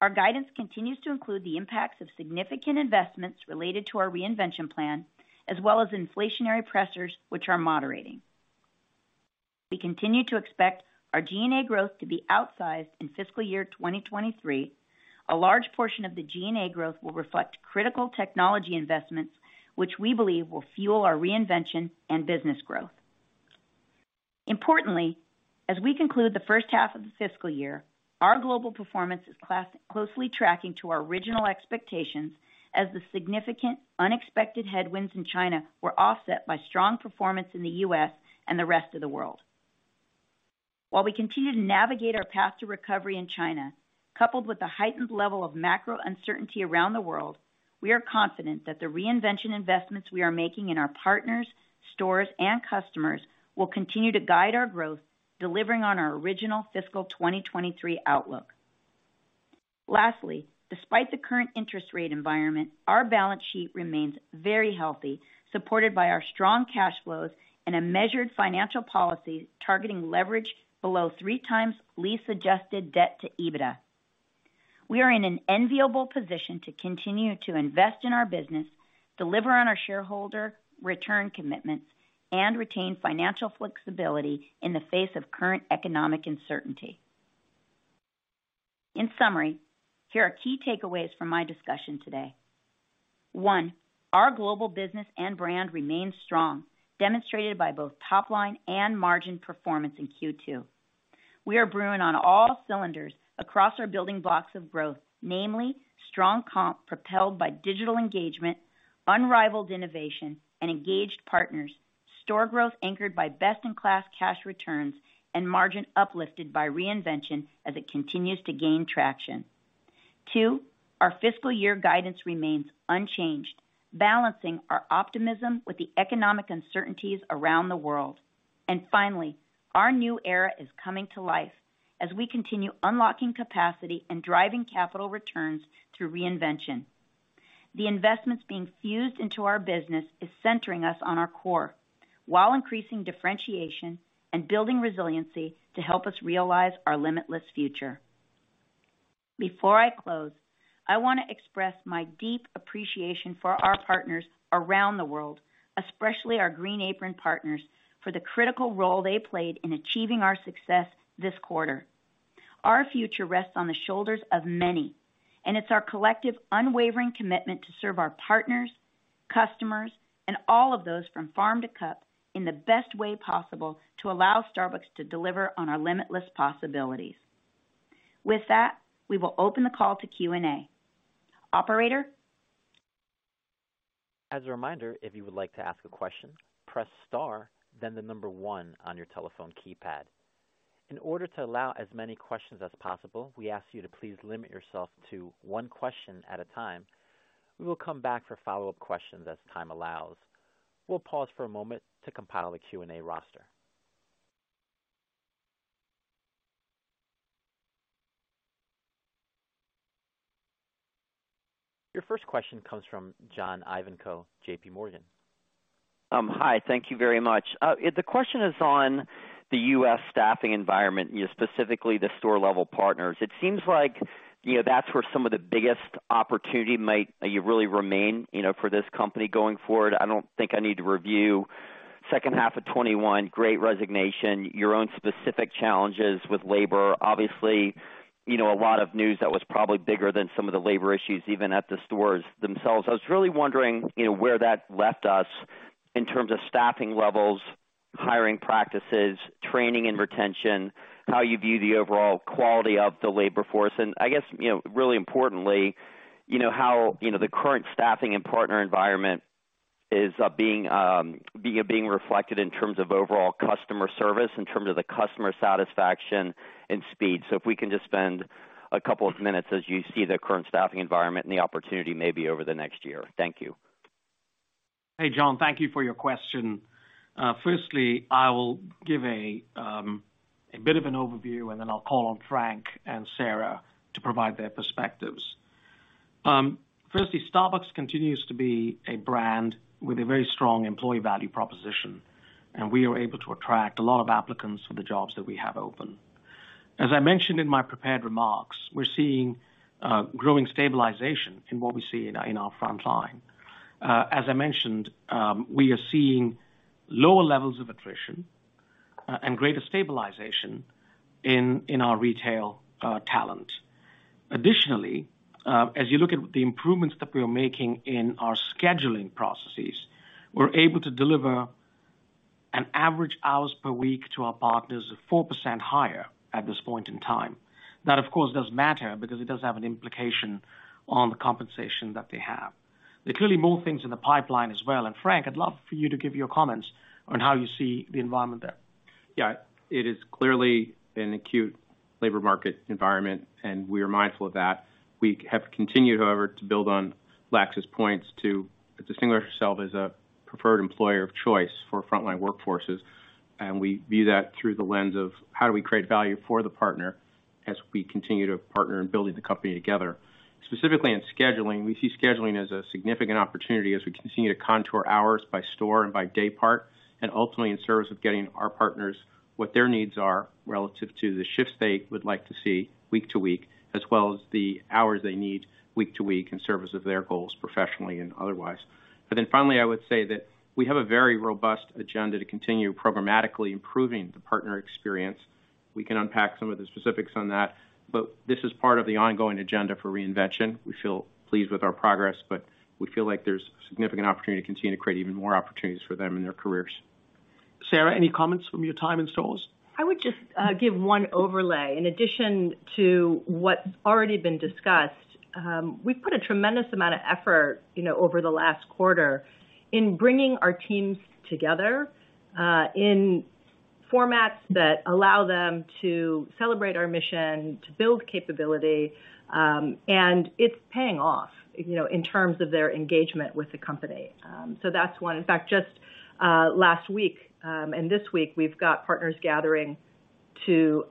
guidance range. Our guidance continues to include the impacts of significant investments related to our reinvention plan as well as inflationary pressures which are moderating. We continue to expect our G&A growth to be outsized in fiscal year 2023. A large portion of the G&A growth will reflect critical technology investments which we believe will fuel our reinvention and business growth. Importantly, as we conclude the first half of the fiscal year, our global performance is closely tracking to our original expectations as the significant unexpected headwinds in China were offset by strong performance in the U.S. and the rest of the world. While we continue to navigate our path to recovery in China, coupled with the heightened level of macro uncertainty around the world, we are confident that the reinvention investments we are making in our partners, stores, and customers will continue to guide our growth, delivering on our original fiscal 2023 outlook. Despite the current interest rate environment, our balance sheet remains very healthy, supported by our strong cash flows and a measured financial policy targeting leverage below 3x lease-adjusted debt to EBITDA. We are in an enviable position to continue to invest in our business, deliver on our shareholder return commitments, and retain financial flexibility in the face of current economic uncertainty. In summary, here are key takeaways from my discussion today. One, our global business and brand remains strong, demonstrated by both top line and margin performance in Q2. We are brewing on all cylinders across our building blocks of growth, namely strong comp propelled by digital engagement, unrivaled innovation, and engaged partners, store growth anchored by best-in-class cash returns and margin uplifted by reinvention as it continues to gain traction. Two, our fiscal year guidance remains unchanged, balancing our optimism with the economic uncertainties around the world. Finally, our new era is coming to life as we continue unlocking capacity and driving capital returns through reinvention. The investments being fused into our business is centering us on our core while increasing differentiation and building resiliency to help us realize our limitless future. Before I close, I want to express my deep appreciation for our partners around the world, especially our Green Apron partners, for the critical role they played in achieving our success this quarter. Our future rests on the shoulders of many. It's our collective, unwavering commitment to serve our partners, customers, and all of those from farm to cup in the best way possible to allow Starbucks to deliver on our limitless possibilities. With that, we will open the call to Q&A. Operator? As a reminder, if you would like to ask a question, press star, then the number one on your telephone keypad. In order to allow as many questions as possible, we ask you to please limit yourself to one question at a time. We will come back for follow-up questions as time allows. We'll pause for a moment to compile a Q&A roster. Your first question comes from John Ivankoe, JPMorgan. Hi. Thank you very much. The question is on the U.S. staffing environment, you know, specifically the store-level partners. It seems like, you know, that's where some of the biggest opportunity might really remain, you know, for this company going forward. I don't think I need to review second half of 2021, Great Resignation, your own specific challenges with labor. Obviously, you know, a lot of news that was probably bigger than some of the labor issues, even at the stores themselves. I was really wondering, you know, where that left us in terms of staffing levels, hiring practices, training, and retention, how you view the overall quality of the labor force? I guess, you know, really importantly, you know, how, you know, the current staffing and partner environment is being reflected in terms of overall customer service, in terms of the customer satisfaction and speed. If we can just spend a couple of minutes as you see the current staffing environment and the opportunity maybe over the next year. Thank you. Hey, John. Thank you for your question. Firstly, I will give a bit of an overview, and then I'll call on Frank and Sara to provide their perspectives. Firstly, Starbucks continues to be a brand with a very strong employee value proposition, and we are able to attract a lot of applicants for the jobs that we have open. As I mentioned in my prepared remarks, we're seeing growing stabilization in what we see in our, in our front line. As I mentioned, we are seeing lower levels of attrition, and greater stabilization in our retail talent. Additionally, as you look at the improvements that we are making in our scheduling processes, we're able to deliver an average hours per week to our partners of 4% higher at this point in time. That, of course, does matter because it does have an implication on the compensation that they have. There are clearly more things in the pipeline as well. Frank, I'd love for you to give your comments on how you see the environment there. Yeah. It is clearly an acute labor market environment, and we are mindful of that. We have continued, however, to build on Laxman's points to distinguish ourselves as a preferred employer of choice for frontline workforces. We view that through the lens of how do we create value for the partner as we continue to partner in building the company together. Specifically in scheduling, we see scheduling as a significant opportunity as we continue to contour hours by store and by day part, and ultimately in service of getting our partners what their needs are relative to the shifts they would like to see week to week, as well as the hours they need week to week in service of their goals professionally and otherwise. Finally, I would say that we have a very robust agenda to continue programmatically improving the partner experience. We can unpack some of the specifics on that, but this is part of the ongoing agenda for reinvention. We feel pleased with our progress, but we feel like there's significant opportunity to continue to create even more opportunities for them in their careers. Sara Trilling, any comments from your time in stores? I would just give one overlay. In addition to what's already been discussed, we've put a tremendous amount of effort, you know, over the last quarter in bringing our teams together in formats that allow them to celebrate our mission, to build capability, and it's paying off, you know, in terms of their engagement with the company. That's one. In fact, just last week, this week, we've got partners gathering to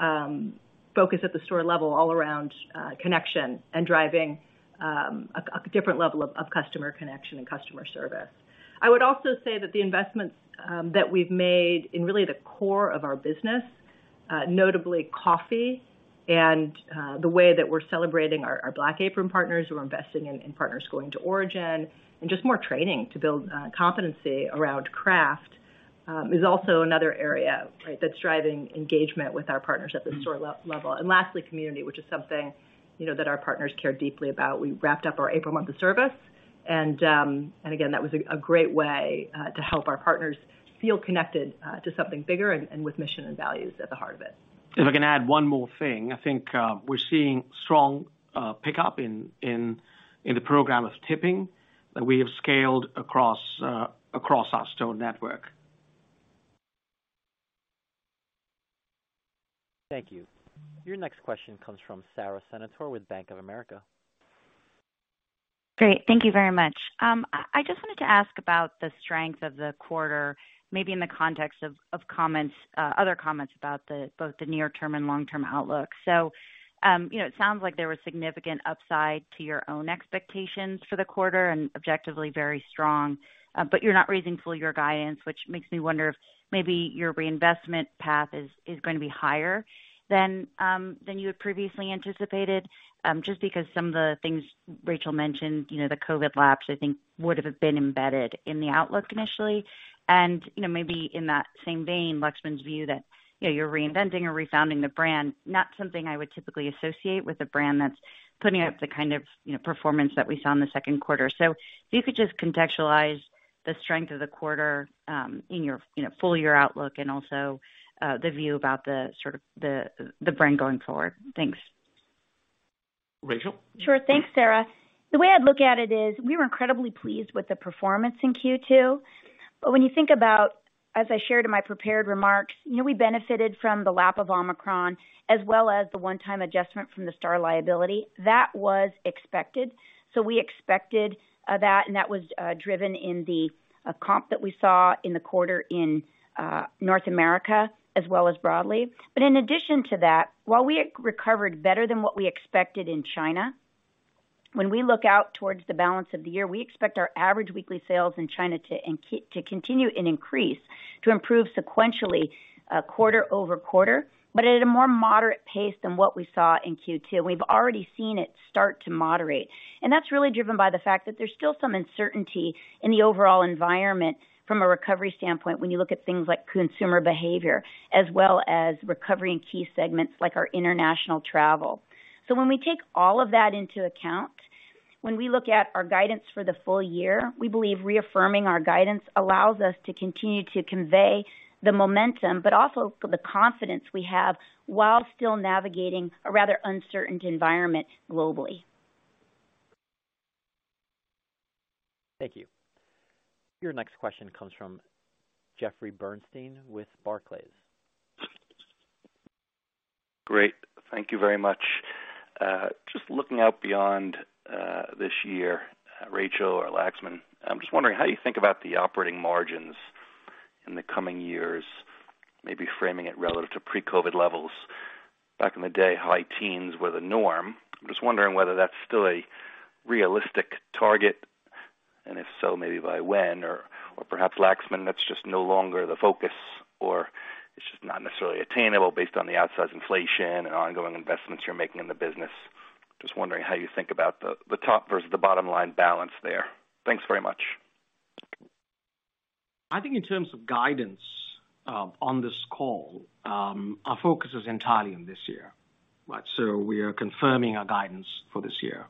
focus at the store level all around connection and driving a different level of customer connection and customer service. I would also say that the investments that we've made in really the core of our business, notably coffee and the way that we're celebrating our Black Apron partners. We're investing in partners going to Origin and just more training to build competency around craft, is also another area, right, that's driving engagement with our partners at the store level. Lastly, community, which is something, you know, that our partners care deeply about. We wrapped up our April month of service, and again, that was a great way to help our partners feel connected to something bigger and with mission and values at the heart of it. If I can add one more thing, I think, we're seeing strong pickup in the program of tipping that we have scaled across our store network. Thank you. Your next question comes from Sara Senatore with Bank of America. Great. Thank you very much. I just wanted to ask about the strength of the quarter, maybe in the context of comments, other comments about both the near-term and long-term outlook. You know, it sounds like there was significant upside to your own expectations for the quarter and objectively very strong. You're not raising full-year guidance, which makes me wonder if maybe your reinvestment path is going to be higher than you had previously anticipated. Because some of the things Rachel mentioned, you know, the COVID lapse, I think would have been embedded in the outlook initially. You know, maybe in that same vein, Laxman's view that, you know, you're reinventing or refounding the brand, not something I would typically associate with a brand that's putting up the kind of, you know, performance that we saw in the second quarter. If you could just contextualize the strength of the quarter, in your, you know, full-year outlook and also the view about the sort of the brand going forward. Thanks. Rachel? Sure. Thanks, Sara. The way I'd look at it is we were incredibly pleased with the performance in Q2. As I shared in my prepared remarks, you know, we benefited from the lap of Omicron as well as the one-time adjustment from the Star liability. That was expected. We expected that, and that was driven in the comp that we saw in the quarter in North America, as well as broadly. In addition to that, while we recovered better than what we expected in China, when we look out towards the balance of the year, we expect our average weekly sales in China to continue and increase, to improve sequentially, quarter-over-quarter, but at a more moderate pace than what we saw in Q2. We've already seen it start to moderate. That's really driven by the fact that there's still some uncertainty in the overall environment from a recovery standpoint when you look at things like consumer behavior as well as recovery in key segments like our international travel. When we take all of that into account, when we look at our guidance for the full year, we believe reaffirming our guidance allows us to continue to convey the momentum, but also the confidence we have while still navigating a rather uncertain environment globally. Thank you. Your next question comes from Jeffrey Bernstein with Barclays. Great. Thank you very much. Just looking out beyond this year, Rachel or Laxman, I'm just wondering how you think about the operating margins in the coming years, maybe framing it relative to pre-COVID levels. Back in the day, high teens were the norm. I'm just wondering whether that's still a realistic target. If so, maybe by when, or perhaps, Laxman, that's just no longer the focus or it's just not necessarily attainable based on the outsize inflation and ongoing investments you're making in the business. Just wondering how you think about the top versus the bottom line balance there. Thanks very much. I think in terms of guidance, on this call, our focus is entirely on this year. Right? We are confirming our guidance for this year.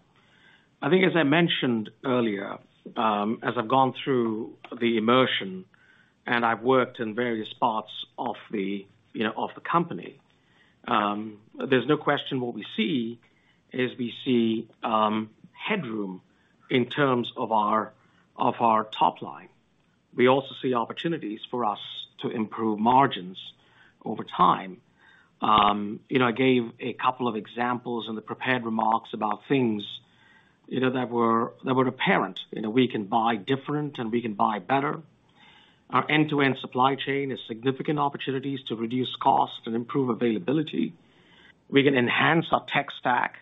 I think as I mentioned earlier, as I've gone through the immersion and I've worked in various parts of the, you know, of the company, there's no question what we see is we see headroom in terms of our, of our top line. We also see opportunities for us to improve margins over time. You know, I gave a couple of examples in the prepared remarks about things, you know, that were, that were apparent. You know, we can buy different and we can buy better. Our end-to-end supply chain has significant opportunities to reduce cost and improve availability. We can enhance our tech stack,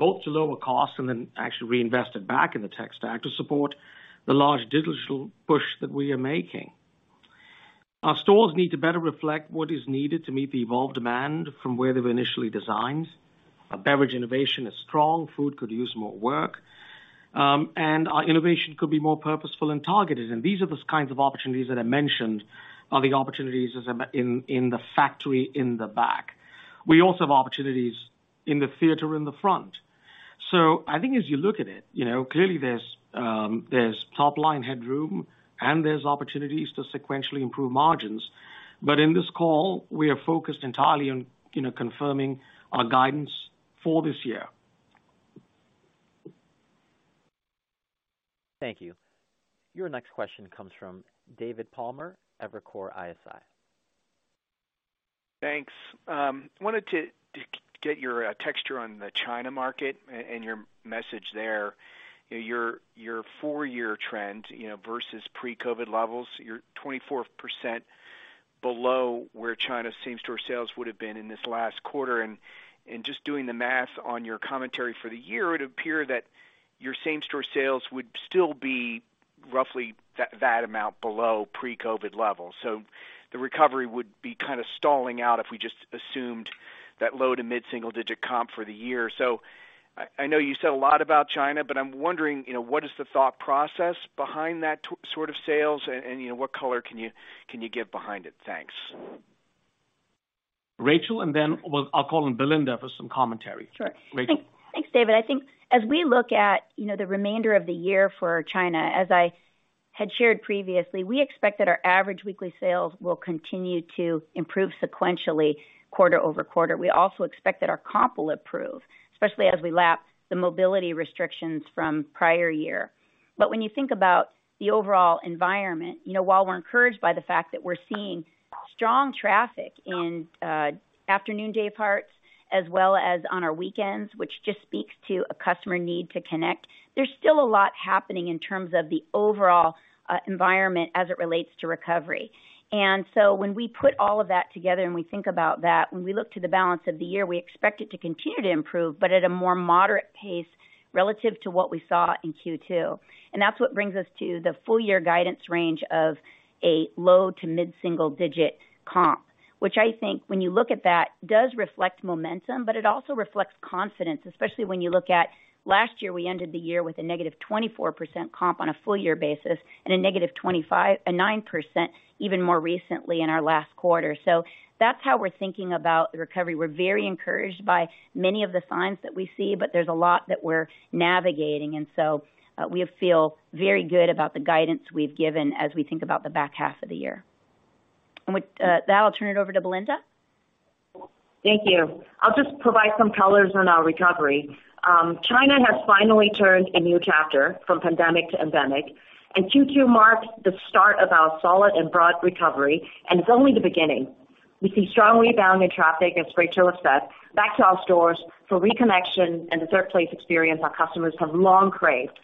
both to lower cost and then actually reinvest it back in the tech stack to support the large digital push that we are making. Our stores need to better reflect what is needed to meet the evolved demand from where they were initially designed. Our beverage innovation is strong, food could use more work, and our innovation could be more purposeful and targeted. These are the kinds of opportunities that I mentioned are the opportunities in the factory in the back. We also have opportunities in the theater in the front. I think as you look at it, you know, clearly there's top-line headroom and there's opportunities to sequentially improve margins. In this call, we are focused entirely on, you know, confirming our guidance for this year. Thank you. Your next question comes from David Palmer, Evercore ISI. Thanks. wanted to get your texture on the China market and your message there. You know, your four-year trend, you know, versus pre-COVID levels, you're 24% below where China same-store sales would have been in this last quarter. just doing the math on your commentary for the year, it would appear that your same-store sales would still be roughly that amount below pre-COVID levels. The recovery would be kind of stalling out if we just assumed that low to mid-single digit comp for the year. I know you said a lot about China, but I'm wondering, you know, what is the thought process behind that sort of sales and, you know, what color can you, can you give behind it? Thanks. Rachel, I'll call on Belinda for some commentary. Sure. Rachel. Thanks, thanks, David. I think as we look at, you know, the remainder of the year for China, as I had shared previously, we expect that our average weekly sales will continue to improve sequentially quarter-over-quarter. We also expect that our comp will improve, especially as we lap the mobility restrictions from prior year. When you think about the overall environment, you know, while we're encouraged by the fact that we're seeing strong traffic in afternoon day parts as well as on our weekends, which just speaks to a customer need to connect, there's still a lot happening in terms of the overall environment as it relates to recovery. When we put all of that together and we think about that, when we look to the balance of the year, we expect it to continue to improve, but at a more moderate pace relative to what we saw in Q2. That's what brings us to the full year guidance range of a low to mid-single digit comp, which I think when you look at that does reflect momentum, but it also reflects confidence, especially when you look at last year, we ended the year with a negative 24% comp on a full year basis and a negative 9% even more recently in our last quarter. That's how we're thinking about the recovery. We're very encouraged by many of the signs that we see, but there's a lot that we're navigating. We feel very good about the guidance we've given as we think about the back half of the year. With, that, I'll turn it over to Belinda. Thank you. I'll just provide some colors on our recovery. China has finally turned a new chapter from pandemic to endemic, Q2 marks the start of our solid and broad recovery, and it's only the beginning. We see strong rebound in traffic, as Rachel said, back to our stores for reconnection and the third place experience our customers have long craved.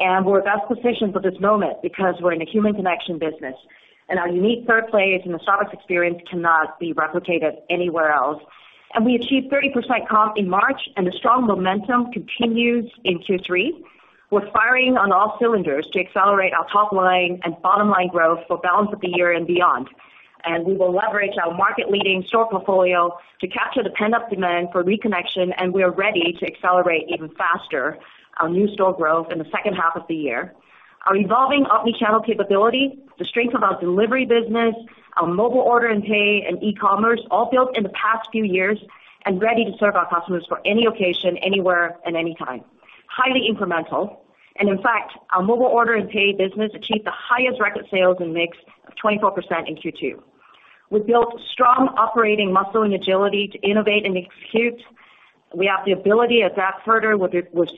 We're best positioned for this moment because we're in the human connection business, and our unique third place and the Starbucks Experience cannot be replicated anywhere else. We achieved 30% comp in March, and the strong momentum continues in Q3. We're firing on all cylinders to accelerate our top line and bottom line growth for balance of the year and beyond. We will leverage our market-leading store portfolio to capture the pent-up demand for reconnection, and we are ready to accelerate even faster our new store growth in the second half of the year. Our evolving omni-channel capability, the strength of our delivery business, our Mobile Order and Pay and e-commerce, all built in the past few years and ready to serve our customers for any occasion, anywhere, and anytime. Highly incremental, and in fact, our Mobile Order and Pay business achieved the highest record sales and mix of 24% in Q2. We built strong operating muscle and agility to innovate and execute. We have the ability to adapt further with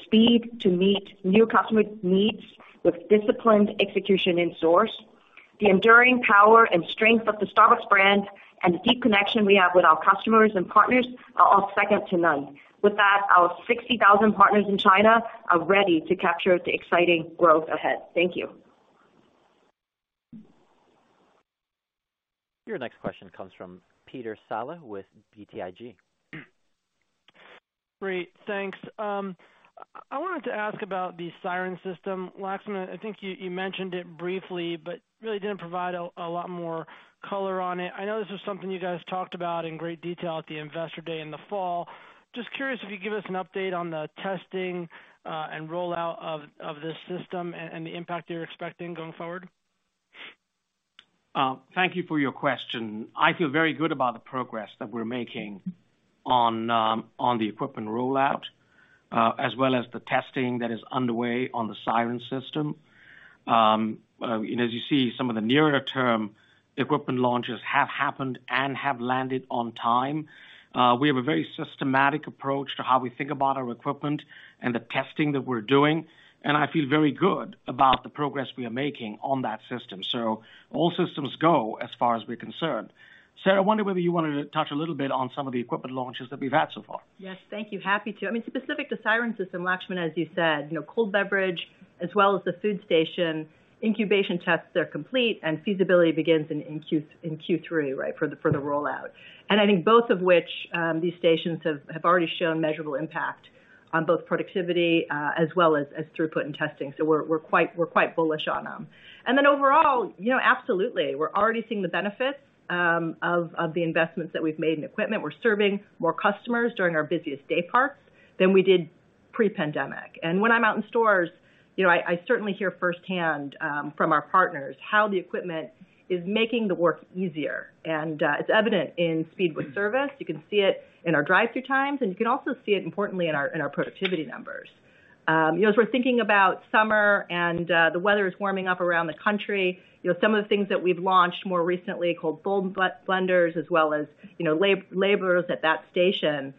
speed to meet new customer needs with disciplined execution in source. The enduring power and strength of the Starbucks brand and the deep connection we have with our customers and partners are all second to none. With that, our 60,000 partners in China are ready to capture the exciting growth ahead. Thank you. Your next question comes from Peter Saleh with BTIG. Great. Thanks. I wanted to ask about the Siren System. Laxman, I think you mentioned it briefly, but really didn't provide a lot more color on it. I know this is something you guys talked about in great detail at the Investor Day in the fall. Just curious if you could give us an update on the testing and rollout of this system and the impact you're expecting going forward. Thank you for your question. I feel very good about the progress that we're making on the equipment rollout, as well as the testing that is underway on the Siren System. As you see, some of the nearer term equipment launches have happened and have landed on time. We have a very systematic approach to how we think about our equipment and the testing that we're doing, and I feel very good about the progress we are making on that system. All systems go as far as we're concerned. Sara, I wonder whether you wanted to touch a little bit on some of the equipment launches that we've had so far. Yes. Thank you. Happy to. I mean, specific to Siren System, Laxman, as you said, you know, cold beverage as well as the food station incubation tests are complete and feasibility begins in Q3, right, for the rollout. I think both of which these stations have already shown measurable impact on both productivity as well as throughput and testing. We're quite bullish on them. Overall, you know, absolutely, we're already seeing the benefits of the investments that we've made in equipment. We're serving more customers during our busiest day parts than we did pre-pandemic. When I'm out in stores, you know, I certainly hear firsthand from our partners how the equipment is making the work easier. It's evident in speed with service. You can see it in our drive-thru times, and you can also see it importantly in our, in our productivity numbers. You know, as we're thinking about summer and the weather is warming up around the country. You know, some of the things that we've launched more recently called Bold Blenders, as well as, you know, laborers at that station,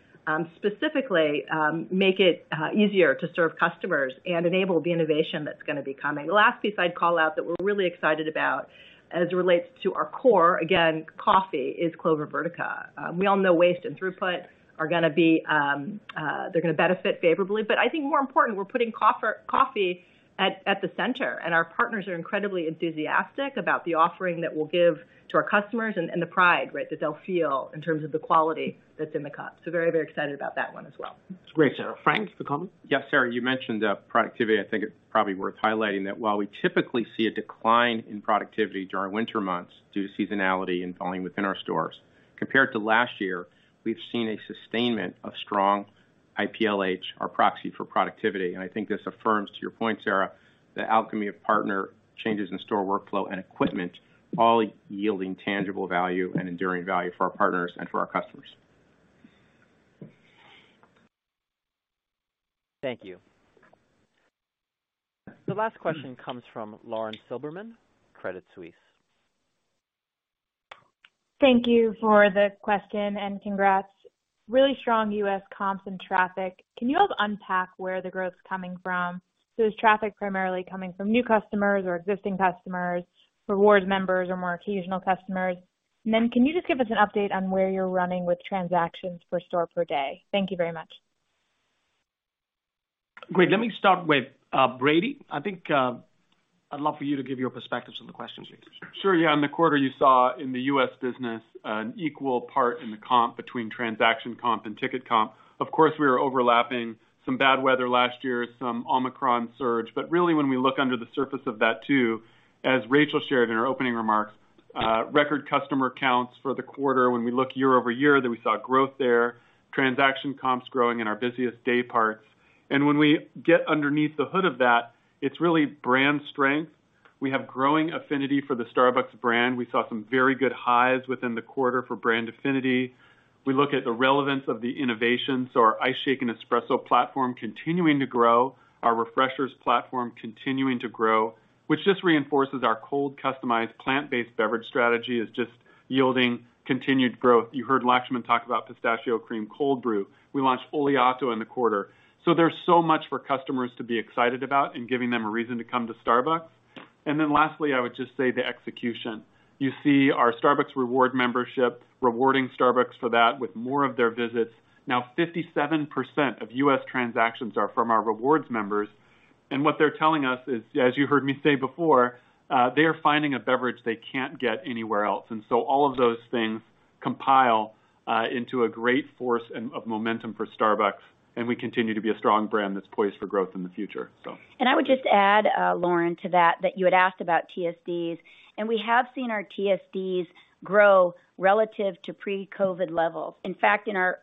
specifically, make it easier to serve customers and enable the innovation that's gonna be coming. The last piece I'd call out that we're really excited about as it relates to our core, again, coffee, is Clover Vertica. We all know waste and throughput are gonna be, they're gonna benefit favorably. I think more important, we're putting coffee at the center, and our partners are incredibly enthusiastic about the offering that we'll give to our customers and the pride, right, that they'll feel in terms of the quality that's in the cup. Very excited about that one as well. That's great, Sara. Frank, do you have a comment? Yes. Sara, you mentioned productivity. I think it's probably worth highlighting that while we typically see a decline in productivity during winter months due to seasonality and volume within our stores, compared to last year, we've seen a sustainment of strong IPLH, our proxy for productivity. I think this affirms to your point, Sara, the alchemy of partner changes in store workflow and equipment, all yielding tangible value and enduring value for our partners and for our customers. Thank you. The last question comes from Lauren Silberman, Credit Suisse. Thank you for the question. Congrats. Really strong U.S. comps and traffic. Can you help unpack where the growth's coming from? Is traffic primarily coming from new customers or existing customers, Starbucks Rewards members or more occasional customers? Then can you just give us an update on where you're running with transactions for store per day? Thank you very much. Great. Let me start with Brady. I think, I'd love for you to give your perspectives on the questions. Sure. Yeah. In the quarter you saw in the U.S. business an equal part in the comp between transaction comp and ticket comp. Of course, we were overlapping some bad weather last year, some Omicron surge. Really, when we look under the surface of that too, as Rachel shared in her opening remarks, record customer counts for the quarter when we look year-over-year that we saw growth there, transaction comps growing in our busiest dayparts. When we get underneath the hood of that, it's really brand strength. We have growing affinity for the Starbucks brand. We saw some very good highs within the quarter for brand affinity. We look at the relevance of the innovations. Our Iced Shaken Espresso platform continuing to grow, our Refreshers platform continuing to grow, which just reinforces our cold, customized plant-based beverage strategy is just yielding continued growth. You heard Laxman talk about Pistachio Cream Cold Brew. We launched Oleato in the quarter. There's so much for customers to be excited about in giving them a reason to come to Starbucks. Lastly, I would just say the execution. You see our Starbucks Rewards membership rewarding Starbucks for that with more of their visits. Now, 57% of U.S. transactions are from our Rewards members. What they're telling us is, as you heard me say before, they are finding a beverage they can't get anywhere else. All of those things compile into a great force and of momentum for Starbucks, and we continue to be a strong brand that's poised for growth in the future. I would just add, Lauren, to that you had asked about TSDs, and we have seen our TSDs grow relative to pre-COVID levels. In fact, in our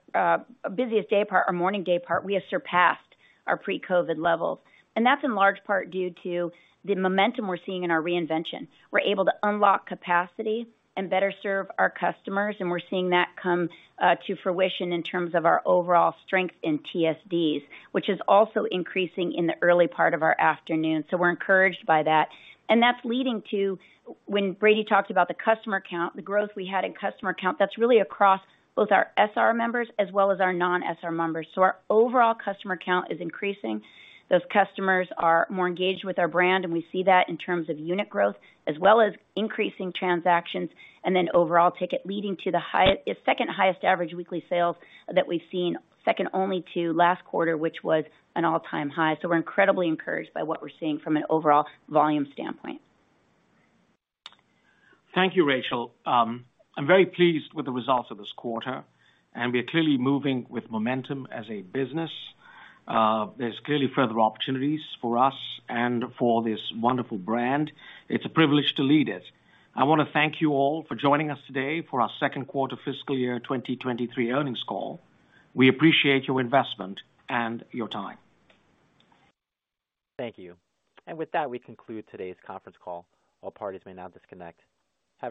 busiest daypart, our morning daypart, we have surpassed our pre-COVID levels. That's in large part due to the momentum we're seeing in our reinvention. We're able to unlock capacity and better serve our customers, and we're seeing that come to fruition in terms of our overall strength in TSDs, which is also increasing in the early part of our afternoon. We're encouraged by that. That's leading to when Brady talks about the customer count, the growth we had in customer count, that's really across both our SR members as well as our non-SR members. Our overall customer count is increasing. Those customers are more engaged with our brand, and we see that in terms of unit growth as well as increasing transactions and then overall ticket leading to the second highest average weekly sales that we've seen, second only to last quarter, which was an all-time high. We're incredibly encouraged by what we're seeing from an overall volume standpoint. Thank you, Rachel. I'm very pleased with the results of this quarter, and we are clearly moving with momentum as a business. There's clearly further opportunities for us and for this wonderful brand. It's a privilege to lead it. I wanna thank you all for joining us today for our second quarter fiscal year 2023 earnings call. We appreciate your investment and your time. Thank you. With that, we conclude today's conference call. All parties may now disconnect. Have a good day.